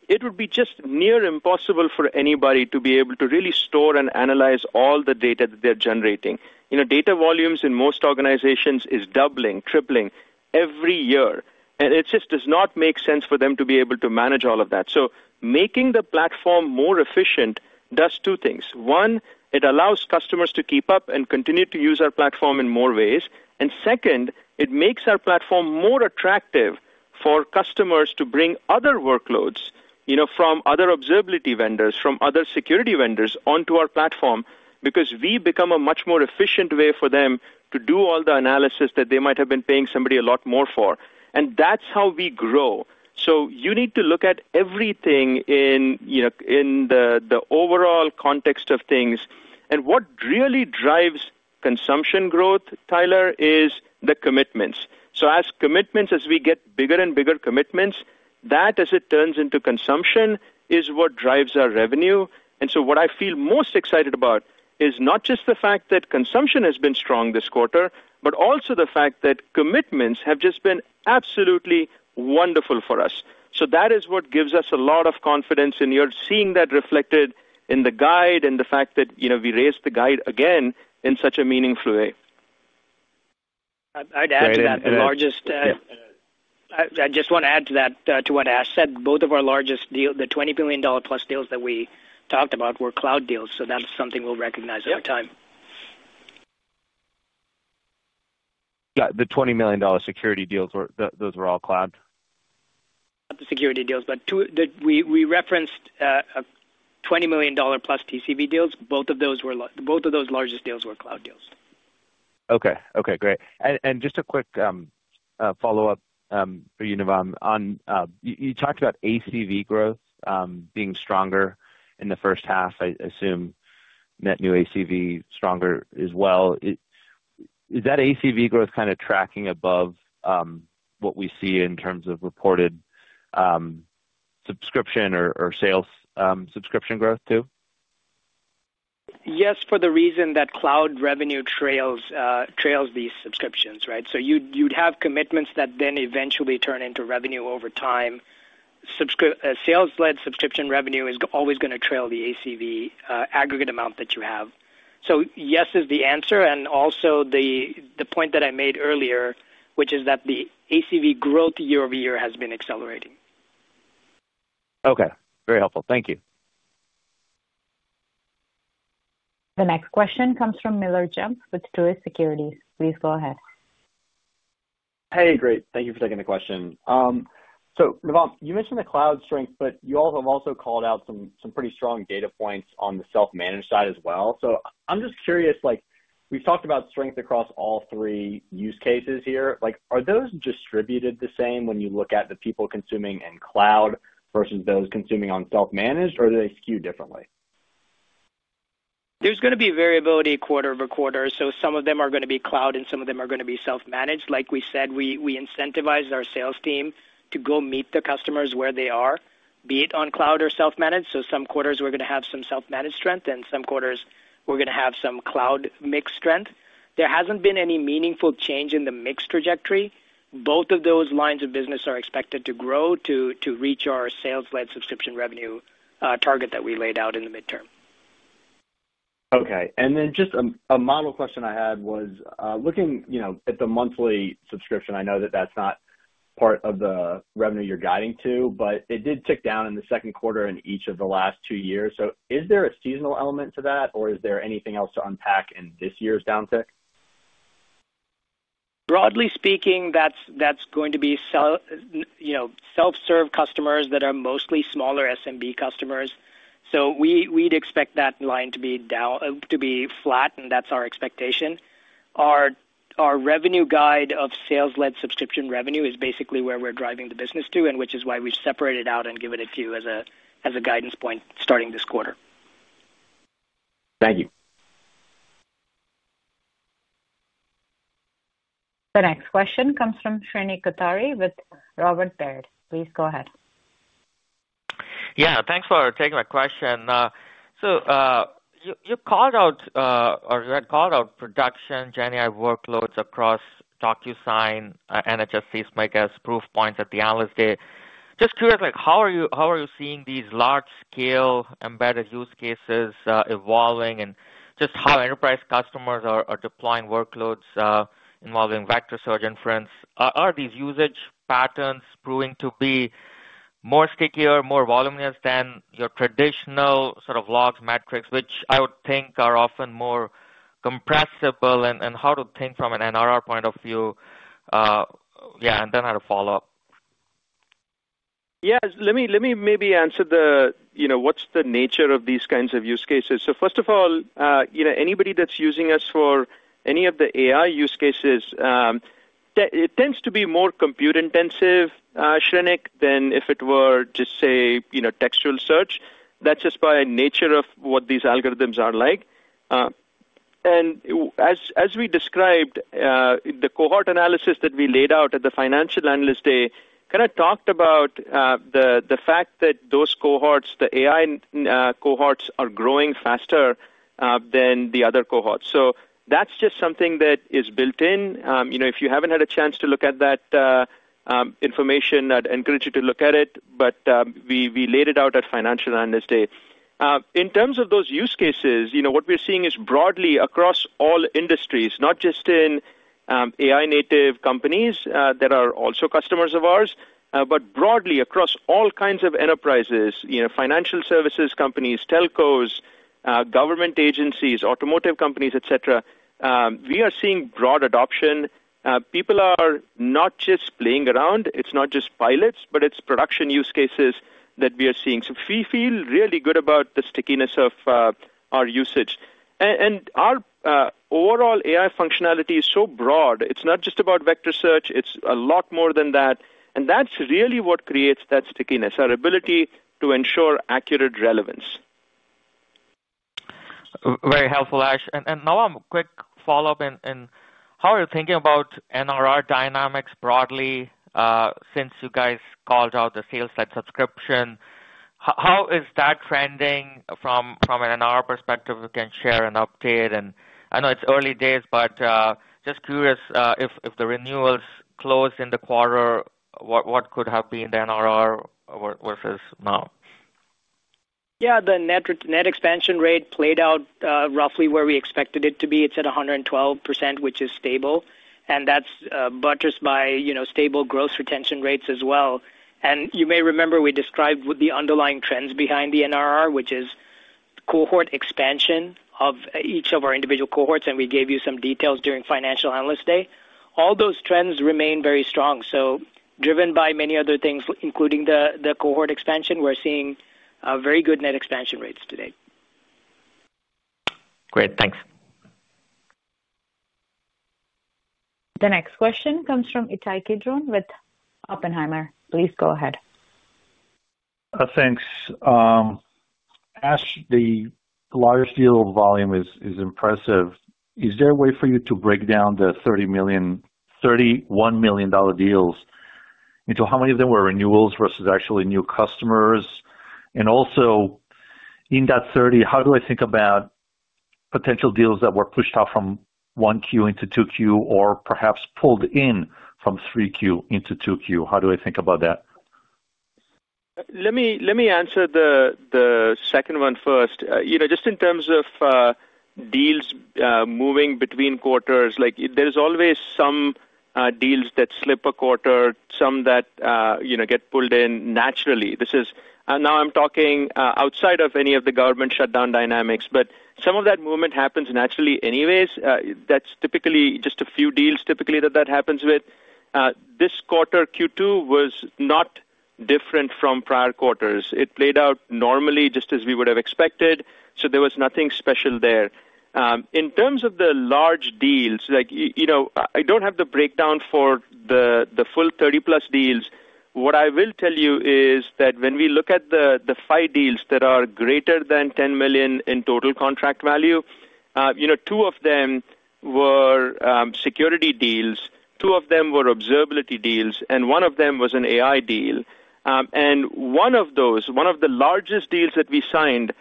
it would be just near impossible for anybody to be able to really store and analyze all the data that they're generating. You know, data volumes in most organizations are doubling, tripling every year. It just does not make sense for them to be able to manage all of that. Making the platform more efficient does two things. One, it allows customers to keep up and continue to use our platform in more ways. Second, it makes our platform more attractive for customers to bring other workloads, you know, from other observability vendors, from other security vendors onto our platform because we become a much more efficient way for them to do all the analysis that they might have been paying somebody a lot more for. That is how we grow. You need to look at everything in, you know, in the overall context of things. What really drives consumption growth, Tyler, is the commitments. As we get bigger and bigger commitments, as it turns into consumption, that is what drives our revenue. What I feel most excited about is not just the fact that consumption has been strong this quarter, but also the fact that commitments have just been absolutely wonderful for us. That is what gives us a lot of confidence, and you're seeing that reflected in the guide and the fact that, you know, we raised the guide again in such a meaningful way. I'd add to that the largest, I just want to add to that, to what Ash said, both of our largest deals, the $20 million plus deals that we talked about were cloud deals. That is something we'll recognize over time. The $20 million security deals, those were all cloud? Not the security deals, but we referenced $20 million plus TCV deals. Both of those were, both of those largest deals were cloud deals. Okay, okay, great. Just a quick follow-up for you, Navam. You talked about ACV growth being stronger in the first half. I assume net new ACV stronger as well. Is that ACV growth kind of tracking above what we see in terms of reported subscription or sales subscription growth too? Yes, for the reason that cloud revenue trails these subscriptions, right? You have commitments that then eventually turn into revenue over time. Sales-led subscription revenue is always going to trail the ACV aggregate amount that you have. Yes is the answer. Also the point that I made earlier, which is that the ACV growth year over year has been accelerating. Okay, very helpful. Thank you. The next question comes from Miller Jumps with TUI Securities. Please go ahead. Hey, great. Thank you for taking the question. Navam, you mentioned the cloud strength, but you all have also called out some pretty strong data points on the self-managed side as well. I'm just curious, like we've talked about strength across all three use cases here. Like are those distributed the same when you look at the people consuming in cloud versus those consuming on self-managed, or do they skew differently? There's going to be variability quarter over quarter. Some of them are going to be cloud and some of them are going to be self-managed. Like we said, we incentivize our sales team to go meet the customers where they are, be it on cloud or self-managed. Some quarters we're going to have some self-managed strength and some quarters we're going to have some cloud mixed strength. There hasn't been any meaningful change in the mixed trajectory. Both of those lines of business are expected to grow to reach our sales-led subscription revenue target that we laid out in the midterm. Okay. And then just a model question I had was looking, you know, at the monthly subscription. I know that that's not part of the revenue you're guiding to, but it did tick down in the second quarter in each of the last two years. Is there a seasonal element to that, or is there anything else to unpack in this year's downtick? Broadly speaking, that's going to be, you know, self-serve customers that are mostly smaller SMB customers. We'd expect that line to be flat, and that's our expectation. Our revenue guide of sales-led subscription revenue is basically where we're driving the business to, which is why we've separated out and given it to you as a guidance point starting this quarter. Thank you. The next question comes from Shrenik Kothari with Roburn Third. Please go ahead. Yeah, thanks for taking my question. You called out, or you had called out production GenAI workloads across DocuSign, NHS, Smarts, Proofpoint at the analyst day. Just curious, like how are you seeing these large-scale embedded use cases evolving and just how enterprise customers are deploying workloads involving vector search inference? Are these usage patterns proving to be more stickier, more voluminous than your traditional sort of logs metrics, which I would think are often more compressible? And how to think from an NRR point of view? Yeah, and then I'll follow up. Yeah, let me maybe answer the, you know, what's the nature of these kinds of use cases. First of all, you know, anybody that's using us for any of the AI use cases, it tends to be more compute intensive, Shrinik, than if it were just, say, you know, textual search. That's just by nature of what these algorithms are like. As we described, the cohort analysis that we laid out at the Financial Analyst Day kind of talked about the fact that those cohorts, the AI cohorts, are growing faster than the other cohorts. That's just something that is built in. You know, if you haven't had a chance to look at that information, I'd encourage you to look at it. We laid it out at Financial Analyst Day. In terms of those use cases, you know, what we're seeing is broadly across all industries, not just in AI-native companies that are also customers of ours, but broadly across all kinds of enterprises, you know, financial services companies, telcos, government agencies, automotive companies, et cetera. We are seeing broad adoption. People are not just playing around. It's not just pilots, but it's production use cases that we are seeing. We feel really good about the stickiness of our usage. Our overall AI functionality is so broad. It's not just about vector search. It's a lot more than that. That is really what creates that stickiness, our ability to ensure accurate relevance. Very helpful, Ash. Navam, quick follow-up in how are you thinking about NRR dynamics broadly since you guys called out the sales-led subscription? How is that trending from an NRR perspective? You can share an update. I know it's early days, but just curious if the renewals closed in the quarter, what could have been the NRR versus now? Yeah, the net expansion rate played out roughly where we expected it to be. It's at 112%, which is stable. That's buttressed by, you know, stable gross retention rates as well. You may remember we described the underlying trends behind the NRR, which is cohort expansion of each of our individual cohorts. We gave you some details during Financial Analyst Day. All those trends remain very strong. Driven by many other things, including the cohort expansion, we're seeing very good net expansion rates today. Great, thanks. The next question comes from Ittai Kidron with Oppenheimer. Please go ahead. Thanks. Ash, the large deal volume is impressive. Is there a way for you to break down the $31 million deals into how many of them were renewals versus actually new customers? Also, in that 30, how do I think about potential deals that were pushed out from 1Q into 2Q or perhaps pulled in from 3Q into 2Q? How do I think about that? Let me answer the second one first. You know, just in terms of deals moving between quarters, like there's always some deals that slip a quarter, some that, you know, get pulled in naturally. This is, and now I'm talking outside of any of the government shutdown dynamics, but some of that movement happens naturally anyways. That's typically just a few deals typically that that happens with. This quarter, 2Q, was not different from prior quarters. It played out normally just as we would have expected. There was nothing special there. In terms of the large deals, like, you know, I don't have the breakdown for the full 30-plus deals. What I will tell you is that when we look at the five deals that are greater than $10 million in total contract value, you know, two of them were security deals, two of them were observability deals, and one of them was an AI deal. One of those, one of the largest deals that we signed, was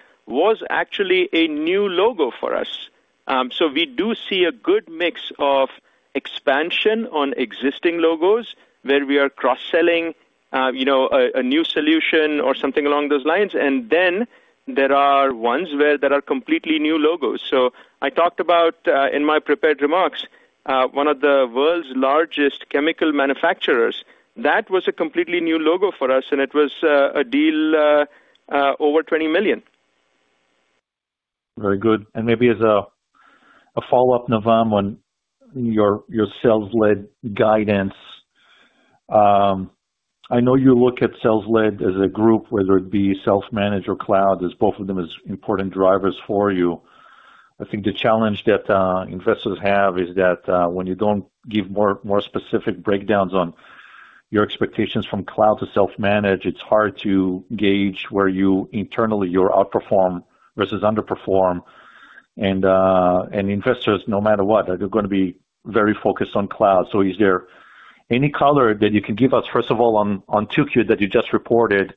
actually a new logo for us. You know, we do see a good mix of expansion on existing logos where we are cross-selling a new solution or something along those lines. There are ones where there are completely new logos. I talked about in my prepared remarks, one of the world's largest chemical manufacturers, that was a completely new logo for us. It was a deal over $20 million. Very good. Maybe as a follow-up, Navam, on your sales-led guidance, I know you look at sales-led as a group, whether it be self-managed or cloud, as both of them as important drivers for you. I think the challenge that investors have is that when you do not give more specific breakdowns on your expectations from cloud to self-managed, it is hard to gauge where you internally, you are outperform versus underperform. Investors, no matter what, they are going to be very focused on cloud. Is there any color that you can give us, first of all, on 2Q that you just reported?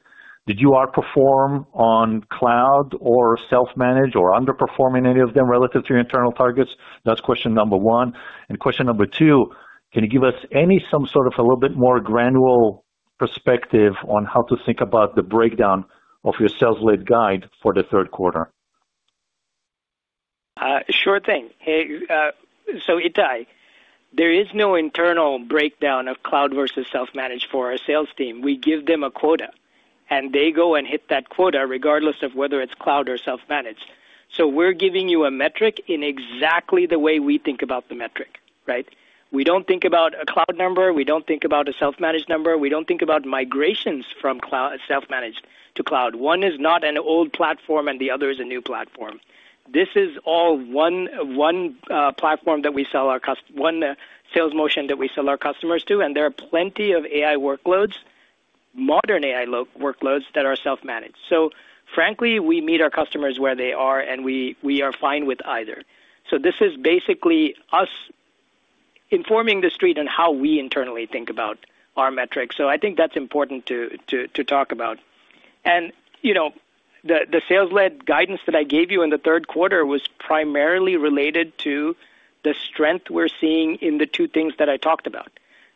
Did you outperform on cloud or self-managed or underperform in any of them relative to your internal targets? That is question number one. Question number two, can you give us any some sort of a little bit more granular perspective on how to think about the breakdown of your sales-led guide for the third quarter? Sure thing. Itay, there is no internal breakdown of cloud versus self-managed for our sales team. We give them a quota, and they go and hit that quota regardless of whether it is cloud or self-managed. We are giving you a metric in exactly the way we think about the metric, right? We do not think about a cloud number. We do not think about a self-managed number. We do not think about migrations from self-managed to cloud. One is not an old platform, and the other is a new platform. This is all one platform that we sell our customers, one sales motion that we sell our customers to. There are plenty of AI workloads, modern AI workloads that are self-managed. Frankly, we meet our customers where they are, and we are fine with either. This is basically us informing the street on how we internally think about our metrics. I think that's important to talk about. You know, the sales-led guidance that I gave you in the third quarter was primarily related to the strength we're seeing in the two things that I talked about: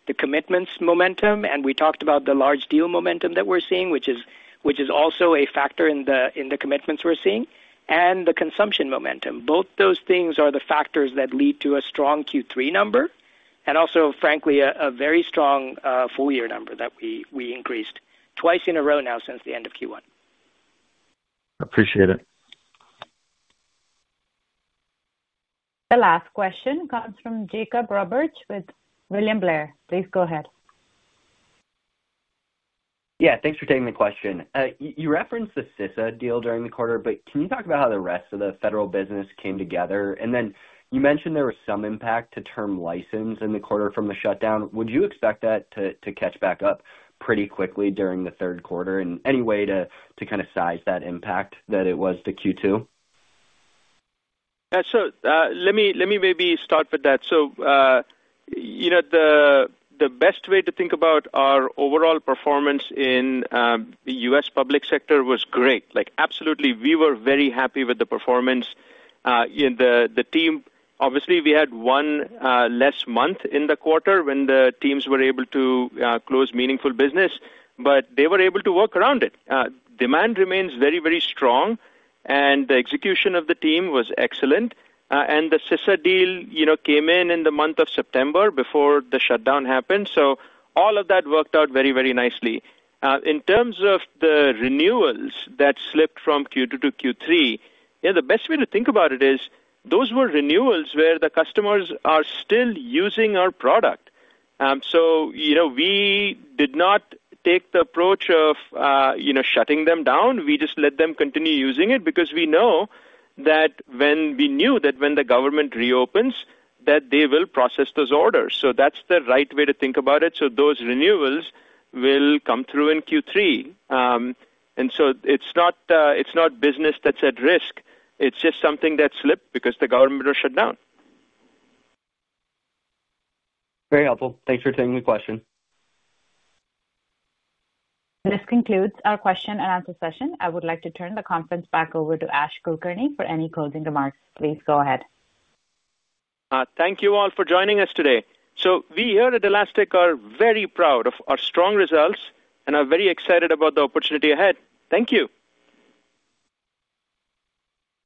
the commitments momentum, and we talked about the large deal momentum that we're seeing, which is also a factor in the commitments we're seeing, and the consumption momentum. Both those things are the factors that lead to a strong Q3 number and also, frankly, a very strong full year number that we increased twice in a row now since the end of Q1. Appreciate it. The last question comes from Jacob Roberts with William Blair. Please go ahead. Yeah, thanks for taking the question. You referenced the CISA deal during the quarter, but can you talk about how the rest of the federal business came together? You mentioned there was some impact to term license in the quarter from the shutdown. Would you expect that to catch back up pretty quickly during the third quarter in any way to kind of size that impact that it was to Q2? Let me maybe start with that. You know, the best way to think about our overall performance in the U.S. public sector was great. Like, absolutely, we were very happy with the performance. The team, obviously, we had one less month in the quarter when the teams were able to close meaningful business, but they were able to work around it. Demand remains very, very strong, and the execution of the team was excellent. The CISA deal, you know, came in in the month of September before the shutdown happened. All of that worked out very, very nicely. In terms of the renewals that slipped from Q2 to Q3, you know, the best way to think about it is those were renewals where the customers are still using our product. You know, we did not take the approach of, you know, shutting them down. We just let them continue using it because we know that when the government reopens, they will process those orders. That is the right way to think about it. Those renewals will come through in Q3. It is not business that is at risk. It is just something that slipped because the government was shut down. Very helpful. Thanks for taking the question. This concludes our question and answer session. I would like to turn the conference back over to Ash Kulkarni for any closing remarks. Please go ahead. Thank you all for joining us today. We here at Elastic are very proud of our strong results and are very excited about the opportunity ahead. Thank you.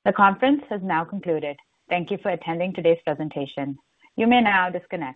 The conference has now concluded. Thank you for attending today's presentation. You may now disconnect.